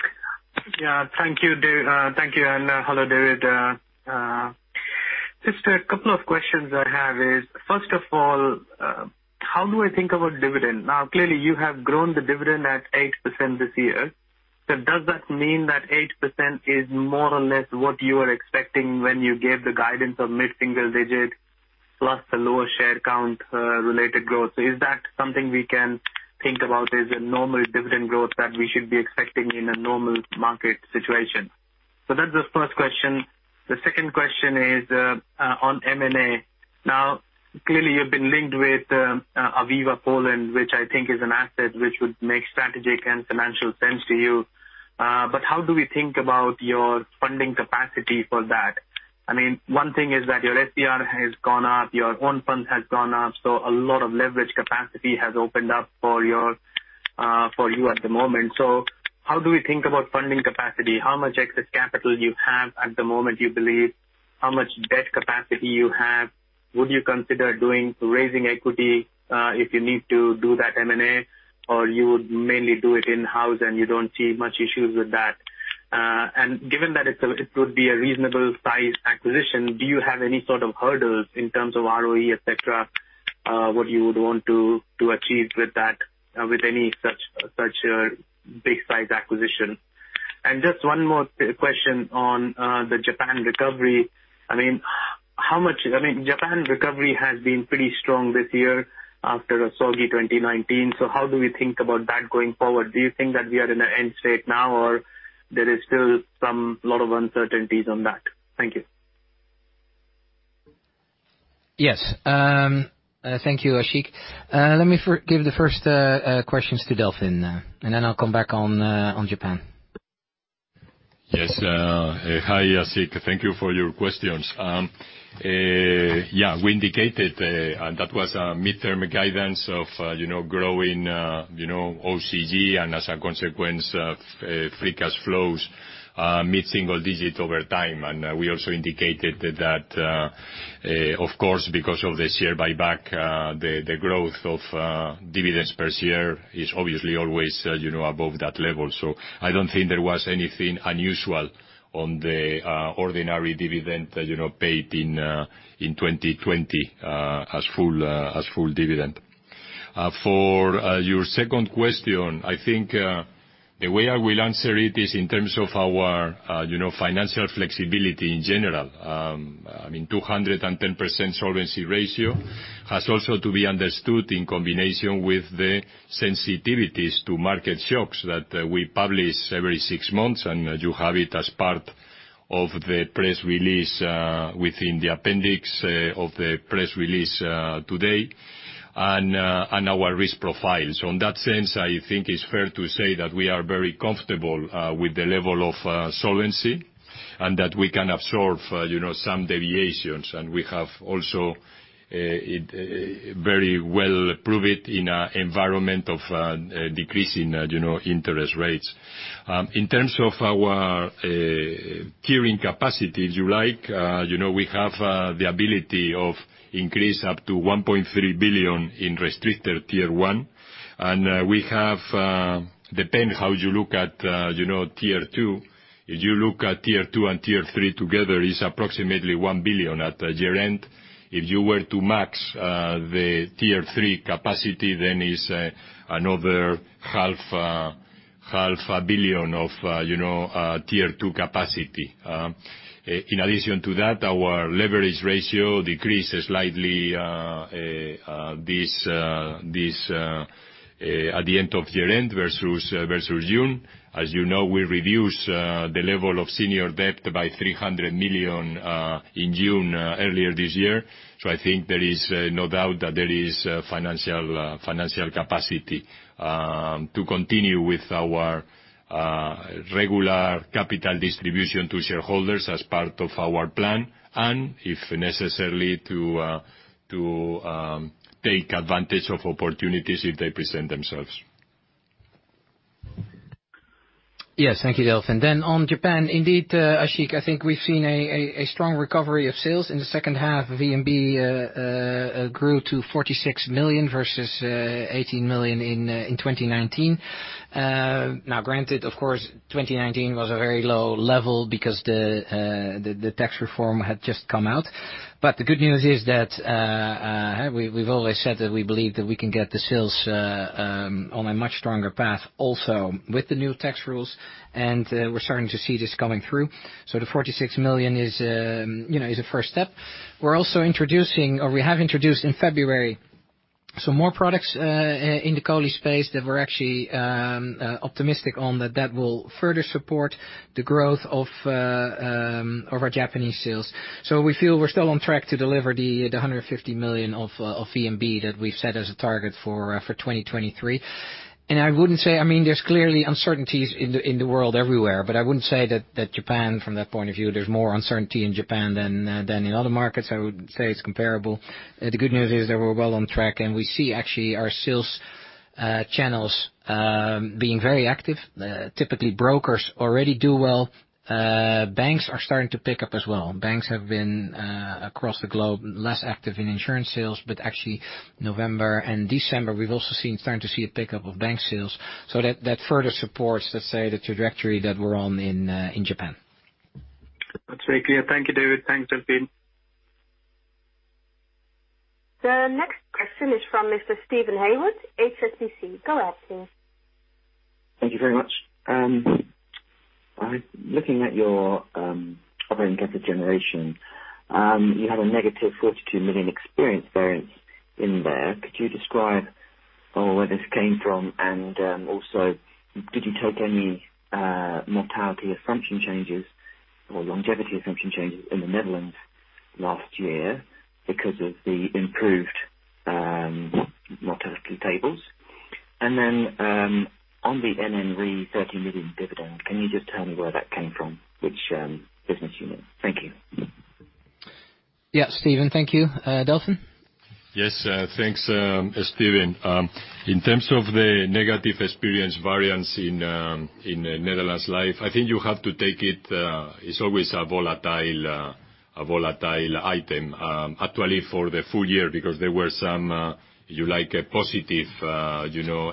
Thank you. Hello, David. Just a couple of questions I have is, first of all, how do I think about dividend? Clearly you have grown the dividend at 8% this year. Does that mean that 8% is more or less what you are expecting when you gave the guidance of mid-single digit plus the lower share count, related growth? Is that something we can think about as a normal dividend growth that we should be expecting in a normal market situation? That's the first question. The second question is, on M&A. Clearly you've been linked with Aviva Poland, which I think is an asset which would make strategic and financial sense to you. How do we think about your funding capacity for that? I mean, one thing is that your SCR has gone up, your own fund has gone up. A lot of leverage capacity has opened up for you at the moment. How do we think about funding capacity? How much excess capital you have at the moment, you believe? How much debt capacity you have? Would you consider doing raising equity, if you need to do that M&A, or you would mainly do it in-house, and you don't see much issues with that? Given that it could be a reasonable size acquisition, do you have any sort of hurdles in terms of ROE, et cetera, what you would want to achieve with that, with any such big size acquisition? Just one more question on the Japan recovery. Japan recovery has been pretty strong this year after a soggy 2019. How do we think about that going forward? Do you think that we are in an end state now, or there is still some lot of uncertainties on that? Thank you. Yes. Thank you, Ashik. Let me give the first questions to Delfin, and then I'll come back on Japan Life. Yes. Hi, Ashik. Thank you for your questions. We indicated, and that was a midterm guidance of growing OCG, and as a consequence of free cash flows, mid-single digit over time. We also indicated that, of course, because of the share buyback, the growth of dividends per share is obviously always above that level. I don't think there was anything unusual on the ordinary dividend paid in 2020, as full dividend. For your second question, I think, the way I will answer it is in terms of our financial flexibility in general. I mean, 210% solvency ratio has also to be understood in combination with the sensitivities to market shocks that we publish every six months. You have it as part of the press release, within the appendix of the press release, today, and our risk profile. In that sense, I think it's fair to say that we are very comfortable with the level of solvency and that we can absorb some deviations. We have also very well proved it in an environment of decreasing interest rates. In terms of our tiering capacity, if you like, we have the ability of increase up to 1.3 billion in restricted Tier 1. We have, depend how you look at Tier 2. If you look at Tier 2 and Tier 3 together is approximately 1 billion at year-end. If you were to max the Tier 3 capacity, is another 0.5 billion of Tier 2 capacity. In addition to that, our leverage ratio decreased slightly at the end of year-end versus June. As you know, we reduced the level of senior debt by 300 million in June earlier this year. I think there is no doubt that there is financial capacity to continue with our regular capital distribution to shareholders as part of our plan. If necessarily to take advantage of opportunities if they present themselves. Thank you, Delfin. On Japan, indeed, Ashik, I think we've seen a strong recovery of sales in the second half. VNB grew to 46 million versus 18 million in 2019. Granted, of course, 2019 was a very low level because the tax reform had just come out. The good news is, we've always said that we believe that we can get the sales on a much stronger path also with the new tax rules, we're starting to see this coming through. The 46 million is a first step. We have introduced in February more products in the COLI space that we're actually optimistic on that will further support the growth of our Japanese sales. We feel we're still on track to deliver the 150 million of VNB that we've set as a target for 2023. There's clearly uncertainties in the world everywhere, but I wouldn't say that Japan, from that point of view, there's more uncertainty in Japan than in other markets. I would say it's comparable. The good news is that we're well on track, and we see actually our sales channels being very active. Typically, brokers already do well. Banks are starting to pick up as well. Banks have been, across the globe, less active in insurance sales, but actually November and December, we've also seen starting to see a pickup of bank sales. That further supports, let's say, the trajectory that we're on in Japan. That's very clear. Thank you, David. Thanks, Delfin. The next question is from Mr. Steven Haywood, HSBC. Go ahead, please. Thank you very much. Looking at your operating profit generation, you had a -42 million experience variance in there. Could you describe where this came from? Also, did you take any mortality assumption changes or longevity assumption changes in the Netherlands last year because of the improved mortality tables? Then on the NN Re 30 million dividend, can you just tell me where that came from, which business unit? Thank you. Yeah. Steven, thank you. Delfin? Yes. Thanks, Steven. In terms of the negative experience variance in Netherlands Life, I think you have to take it. It is always a volatile item, actually, for the full year because there were some positive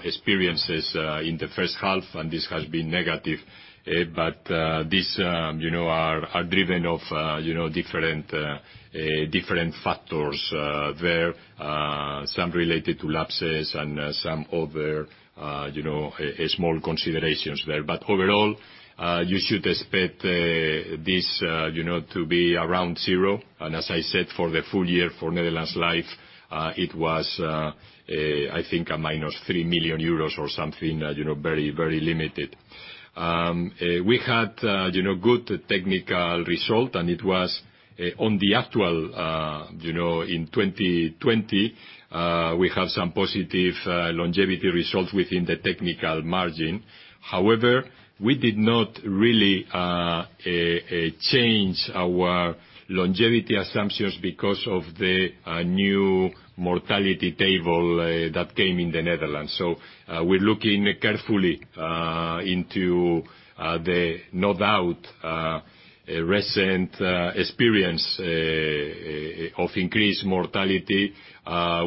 experiences in the first half, and this has been negative. These are driven by different factors there, some related to lapses and some other small considerations there. Overall, you should expect this to be around 0. As I said, for the full year for Netherlands Life, it was, I think, a -3 million euros or something, very limited. We had good technical result, and it was on the actual, in 2020, we have some positive longevity results within the technical margin. However, we did not really change our longevity assumptions because of the new mortality table that came in the Netherlands. We're looking carefully into the no doubt recent experience of increased mortality.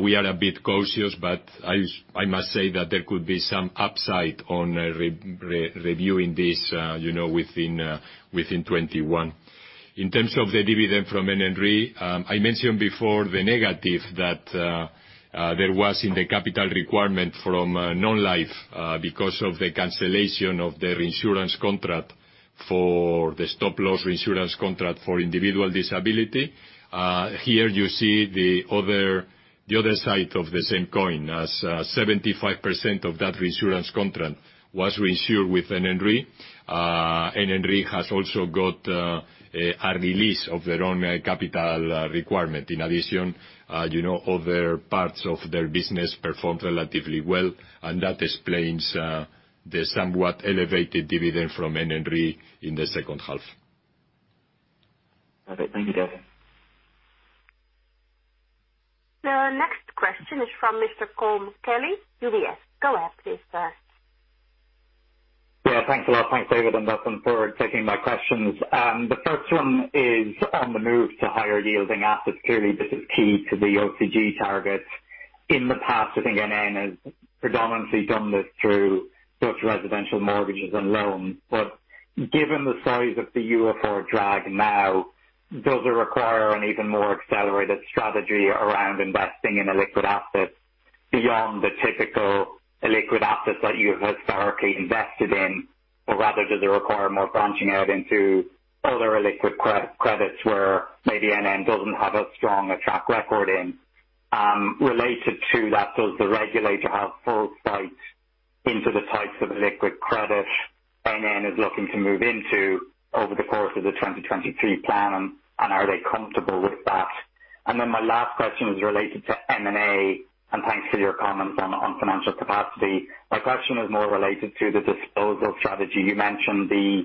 We are a bit cautious, but I must say that there could be some upside on reviewing this within 2021. In terms of the dividend from NN Re, I mentioned before the negative that there was in the capital requirement from Non-life because of the cancellation of their insurance contract for the stop-loss insurance contract for individual disability. Here you see the other side of the same coin as 75% of that reinsurance contract was reinsured with NN Re. NN Re has also got a release of their own capital requirement. In addition, other parts of their business performed relatively well, and that explains the somewhat elevated dividend from NN Re in the second half. Perfect. Thank you, Delfin. The next question is from Mr. Colm Kelly, UBS. Go ahead, please, sir. Thanks a lot. Thanks, David and Delfin for taking my questions. The first one is on the move to higher yielding assets. Clearly, this is key to the OCG targets. In the past, I think NN has predominantly done this through Dutch residential mortgages and loans. Given the size of the UFR drag now, does it require an even more accelerated strategy around investing in illiquid assets beyond the typical illiquid assets that you have historically invested in? Rather, does it require more branching out into other illiquid credits where maybe NN doesn't have a strong track record in? Related to that, does the regulator have full sight into the types of illiquid credit NN is looking to move into over the course of the 2023 plan, and are they comfortable with that? My last question is related to M&A, and thanks for your comments on financial capacity. My question is more related to the disposal strategy. You mentioned the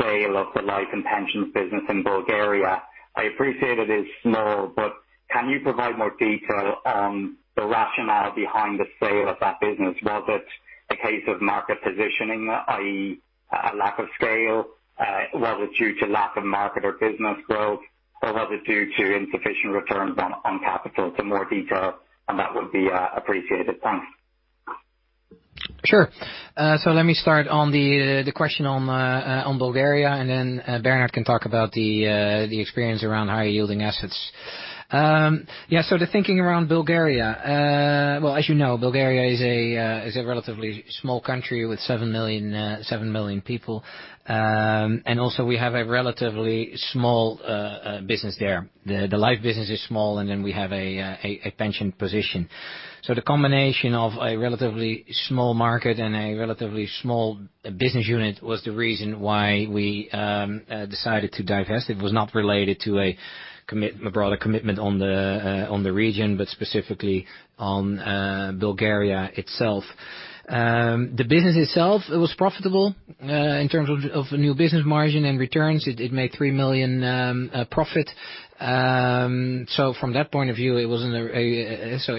sale of the life and pensions business in Bulgaria. I appreciate it is small, but can you provide more detail on the rationale behind the sale of that business? Was it a case of market positioning, i.e., a lack of scale? Was it due to lack of market or business growth, or was it due to insufficient returns on capital? Some more detail on that would be appreciated. Thanks. Sure. Let me start on the question on Bulgaria, and then Bernhard can talk about the experience around high-yielding assets. Yeah, the thinking around Bulgaria. Well, as you know, Bulgaria is a relatively small country with 7 million people. Also we have a relatively small business there. The life business is small, and then we have a pension position. The combination of a relatively small market and a relatively small business unit was the reason why we decided to divest. It was not related to a broader commitment on the region, but specifically on Bulgaria itself. The business itself, it was profitable in terms of new business margin and returns. It made 3 million profit. From that point of view, it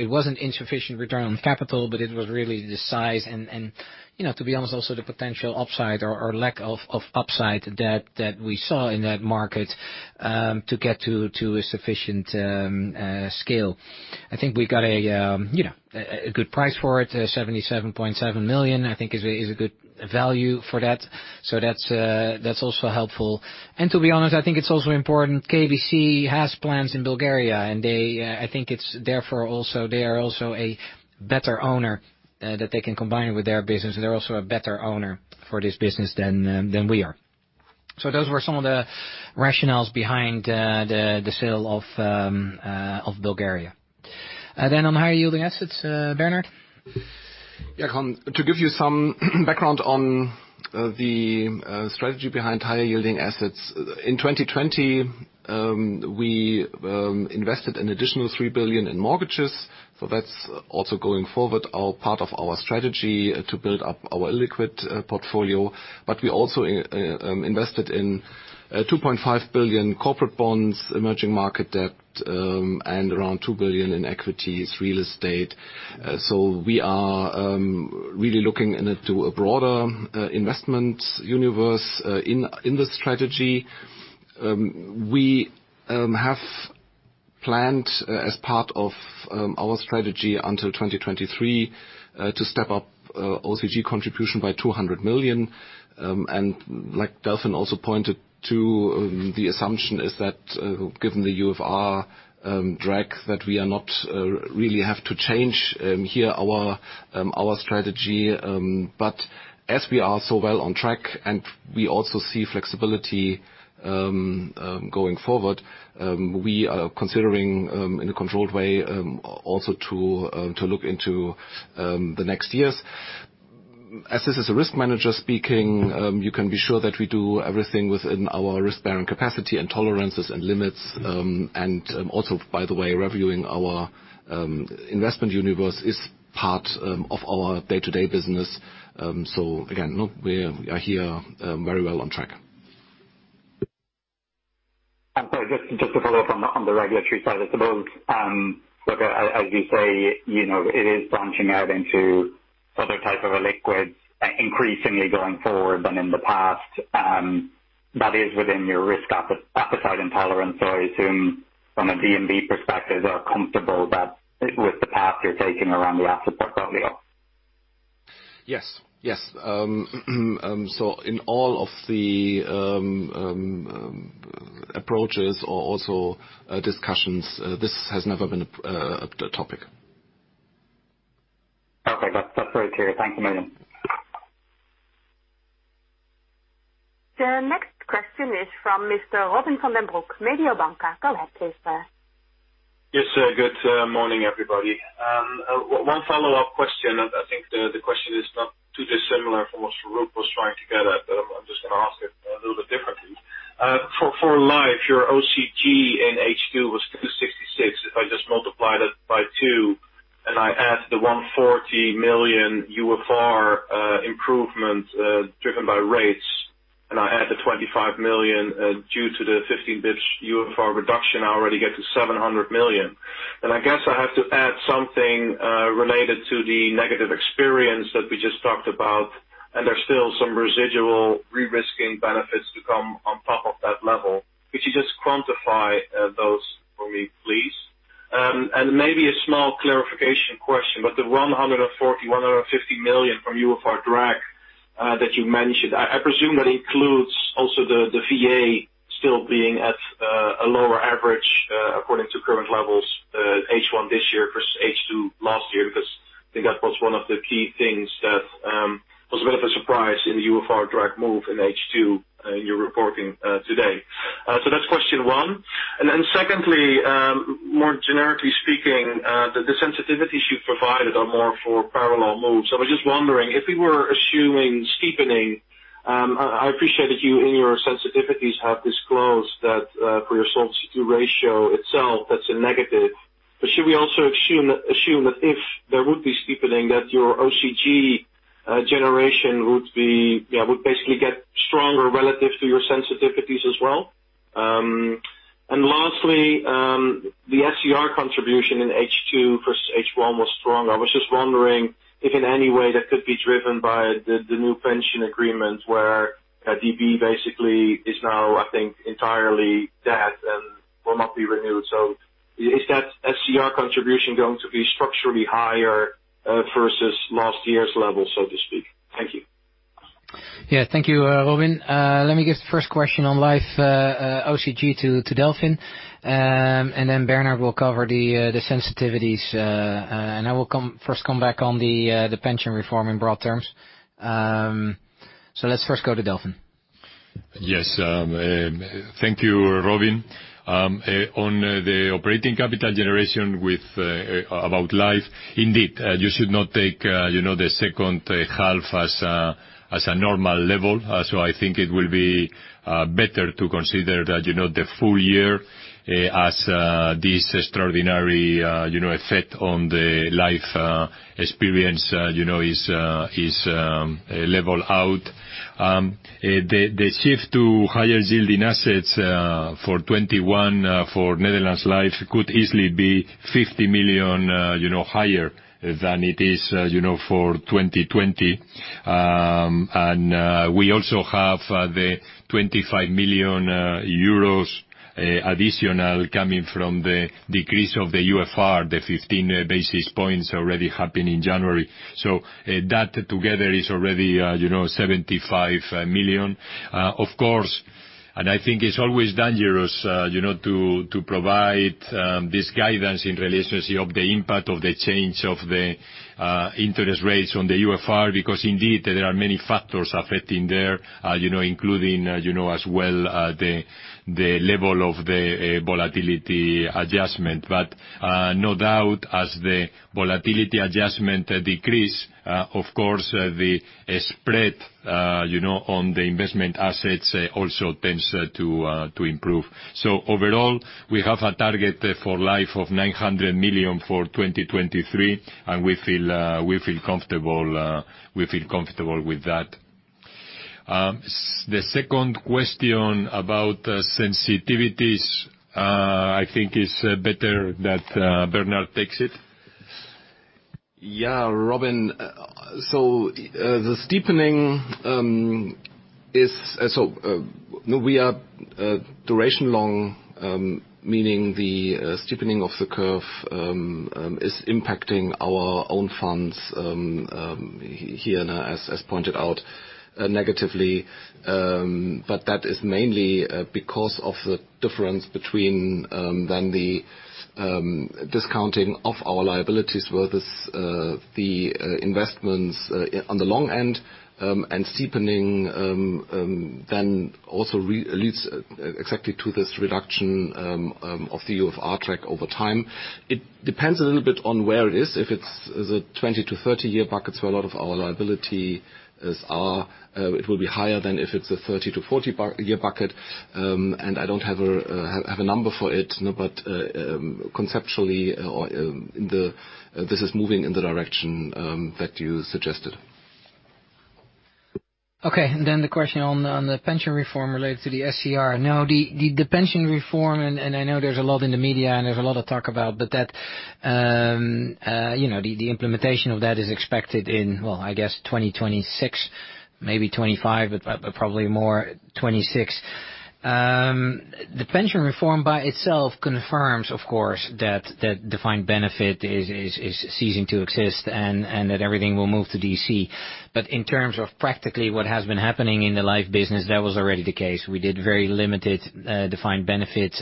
wasn't insufficient return on capital, but it was really the size and, to be honest, also the potential upside or lack of upside debt that we saw in that market to get to a sufficient scale. I think we got a good price for it. 77.7 million, I think is a good value for that. That's also helpful. To be honest, I think it's also important, KBC has plans in Bulgaria, and I think it's therefore they are also a better owner that they can combine with their business, and they're also a better owner for this business than we are. Those were some of the rationales behind the sale of Bulgaria. On higher-yielding assets, Bernhard? Yeah. To give you some background on the strategy behind higher-yielding assets. In 2020, we invested an additional 3 billion in mortgages. that's also going forward our part of our strategy to build up our illiquid portfolio. We also invested in 2.5 billion corporate bonds, emerging market debt, and around 2 billion in equities, real estate. We have planned as part of our strategy until 2023 to step up OCG contribution by 200 million. like Delfin also pointed to, the assumption is that, given the UFR drag, that we are not really have to change here our strategy. as we are so well on track and we also see flexibility going forward, we are considering, in a controlled way, also to look into the next years. As this is a risk manager speaking, you can be sure that we do everything within our risk-bearing capacity and tolerances and limits. also, by the way, reviewing our investment universe is part of our day-to-day business. again, we are here very well on track. Just to follow-up on the regulatory side, I suppose. As you say, it is branching out into other types of illiquids increasingly going forward than in the past. That is within your risk appetite and tolerance. I assume from a DNB perspective, they are comfortable that with the path you're taking around the asset portfolio. Yes. In all of the approaches or also discussions, this has never been a topic. Okay. That's very clear. Thank you, madam. The next question is from Mr. Robin van den Broek, Mediobanca. Go ahead, please, sir. Yes, good morning, everybody. One follow-up question. I think the question is not too dissimilar from what Farooq was trying to get at, but I'm just going to ask it a little bit differently. For Life, your OCG in H2 was 266. If I just multiply that by two and I add the 140 million UFR improvement driven by rates, and I add the 25 million due to the 15 basis points UFR reduction, I already get to 700 million. I guess I have to add something related to the negative experience that we just talked about, and there's still some residual re-risking benefits to come on top of that level. Could you just quantify those for me, please? Maybe a small clarification question, but the 140 million-150 million from UFR drag that you mentioned, I presume that includes also the VA still being at a lower average according to current levels, H1 this year versus H2 last year. Because I think that was one of the key things that was a bit of a surprise in the UFR drag move in H2 in your reporting today. That's question one. Secondly, more generically speaking, the sensitivities you provided are more for parallel moves. I was just wondering if we were assuming steepening. I appreciate that you, in your sensitivities, have disclosed that for your Solvency II ratio itself, that's a negative. Should we also assume that if there would be steepening, that your OCG generation would basically get stronger relative to your sensitivities as well? Lastly, the SCR contribution in H2 versus H1 was strong. I was just wondering if in any way that could be driven by the new pension agreement where DB basically is now, I think, entirely dead and will not be renewed. Is that SCR contribution going to be structurally higher, versus last year's level, so to speak? Thank you. Yeah, thank you, Robin. Let me give the first question on Life, OCG to Delfin. Bernhard will cover the sensitivities, and I will first come back on the pension reform in broad terms. Let's first go to Delfin. Yes. Thank you, Robin. On the operating capital generation about life. Indeed, you should not take the second half as a normal level. I think it will be better to consider the full year as this extraordinary effect on the life experience is level out. The shift to higher yielding assets for 2021 for Netherlands Life could easily be 50 million higher than it is for 2020. We also have the 25 million euros additional coming from the decrease of the UFR, the 15 basis points already happened in January. That together is already 75 million. I think it's always dangerous to provide this guidance in relationship of the impact of the change of the interest rates on the UFR, because indeed, there are many factors affecting there, including, as well, the level of the volatility adjustment. No doubt, as the volatility adjustment decrease, of course, the spread on the investment assets also tends to improve. Overall, we have a target for life of 900 million for 2023, and we feel comfortable with that. The second question about sensitivities, I think it's better that Bernhard takes it. Yeah, Robin. The steepening. We are duration long, meaning the steepening of the curve is impacting our own funds here now as pointed out negatively. That is mainly because of the difference between then the discounting of our liabilities versus the investments on the long end, and steepening then also leads exactly to this reduction of the UFR drag over time. It depends a little bit on where it is. If it's the 20-30 year buckets where a lot of our liability is, it will be higher than if it's a 30-40 year bucket. I don't have a number for it, but conceptually, this is moving in the direction that you suggested. Okay, the question on the pension reform related to the SCR. Now, the pension reform, and I know there's a lot in the media and there's a lot of talk about, but the implementation of that is expected in, well, I guess 2026, maybe 2025, but probably more 2026. The pension reform by itself confirms, of course, that defined benefit is ceasing to exist and that everything will move to DC. In terms of practically what has been happening in the life business, that was already the case. We did very limited defined benefits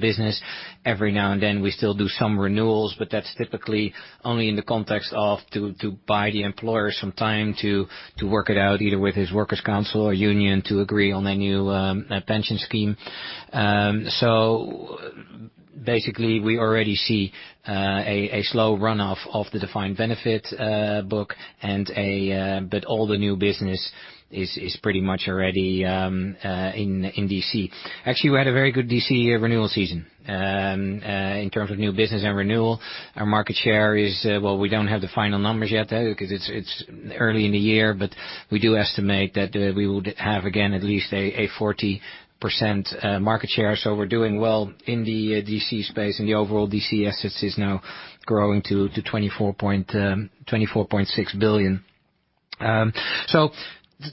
business. Every now and then, we still do some renewals, but that's typically only in the context of to buy the employer some time to work it out, either with his workers council or union to agree on a new pension scheme. Basically, we already see a slow runoff of the defined benefit book. All the new business is pretty much already in DC. Actually, we had a very good DC year renewal season. In terms of new business and renewal, our market share is, well, we don't have the final numbers yet because it's early in the year, but we do estimate that we would have, again, at least a 40% market share. We're doing well in the DC space, and the overall DC assets is now growing to 24.6 billion.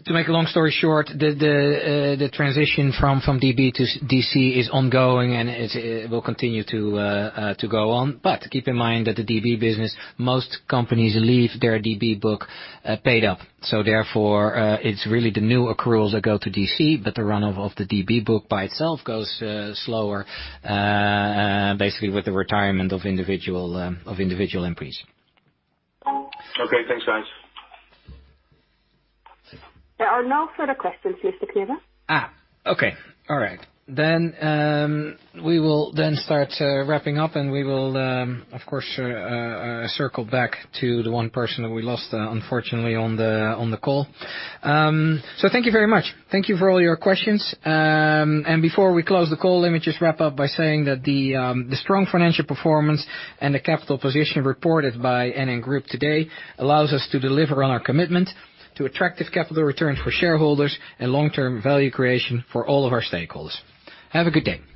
To make a long story short, the transition from DB to DC is ongoing and it will continue to go on. Keep in mind that the DB business, most companies leave their DB book paid up. it's really the new accruals that go to DC, but the run of the DB book by itself goes slower, basically with the retirement of individual employees. Okay, thanks, guys. There are no further questions, Mr. Knibbe. Okay. All right. We will then start wrapping up, and we will, of course, circle back to the one person that we lost, unfortunately, on the call. Thank you very much. Thank you for all your questions. Before we close the call, let me just wrap up by saying that the strong financial performance and the capital position reported by NN Group today allows us to deliver on our commitment to attractive capital returns for shareholders and long-term value creation for all of our stakeholders. Have a good day.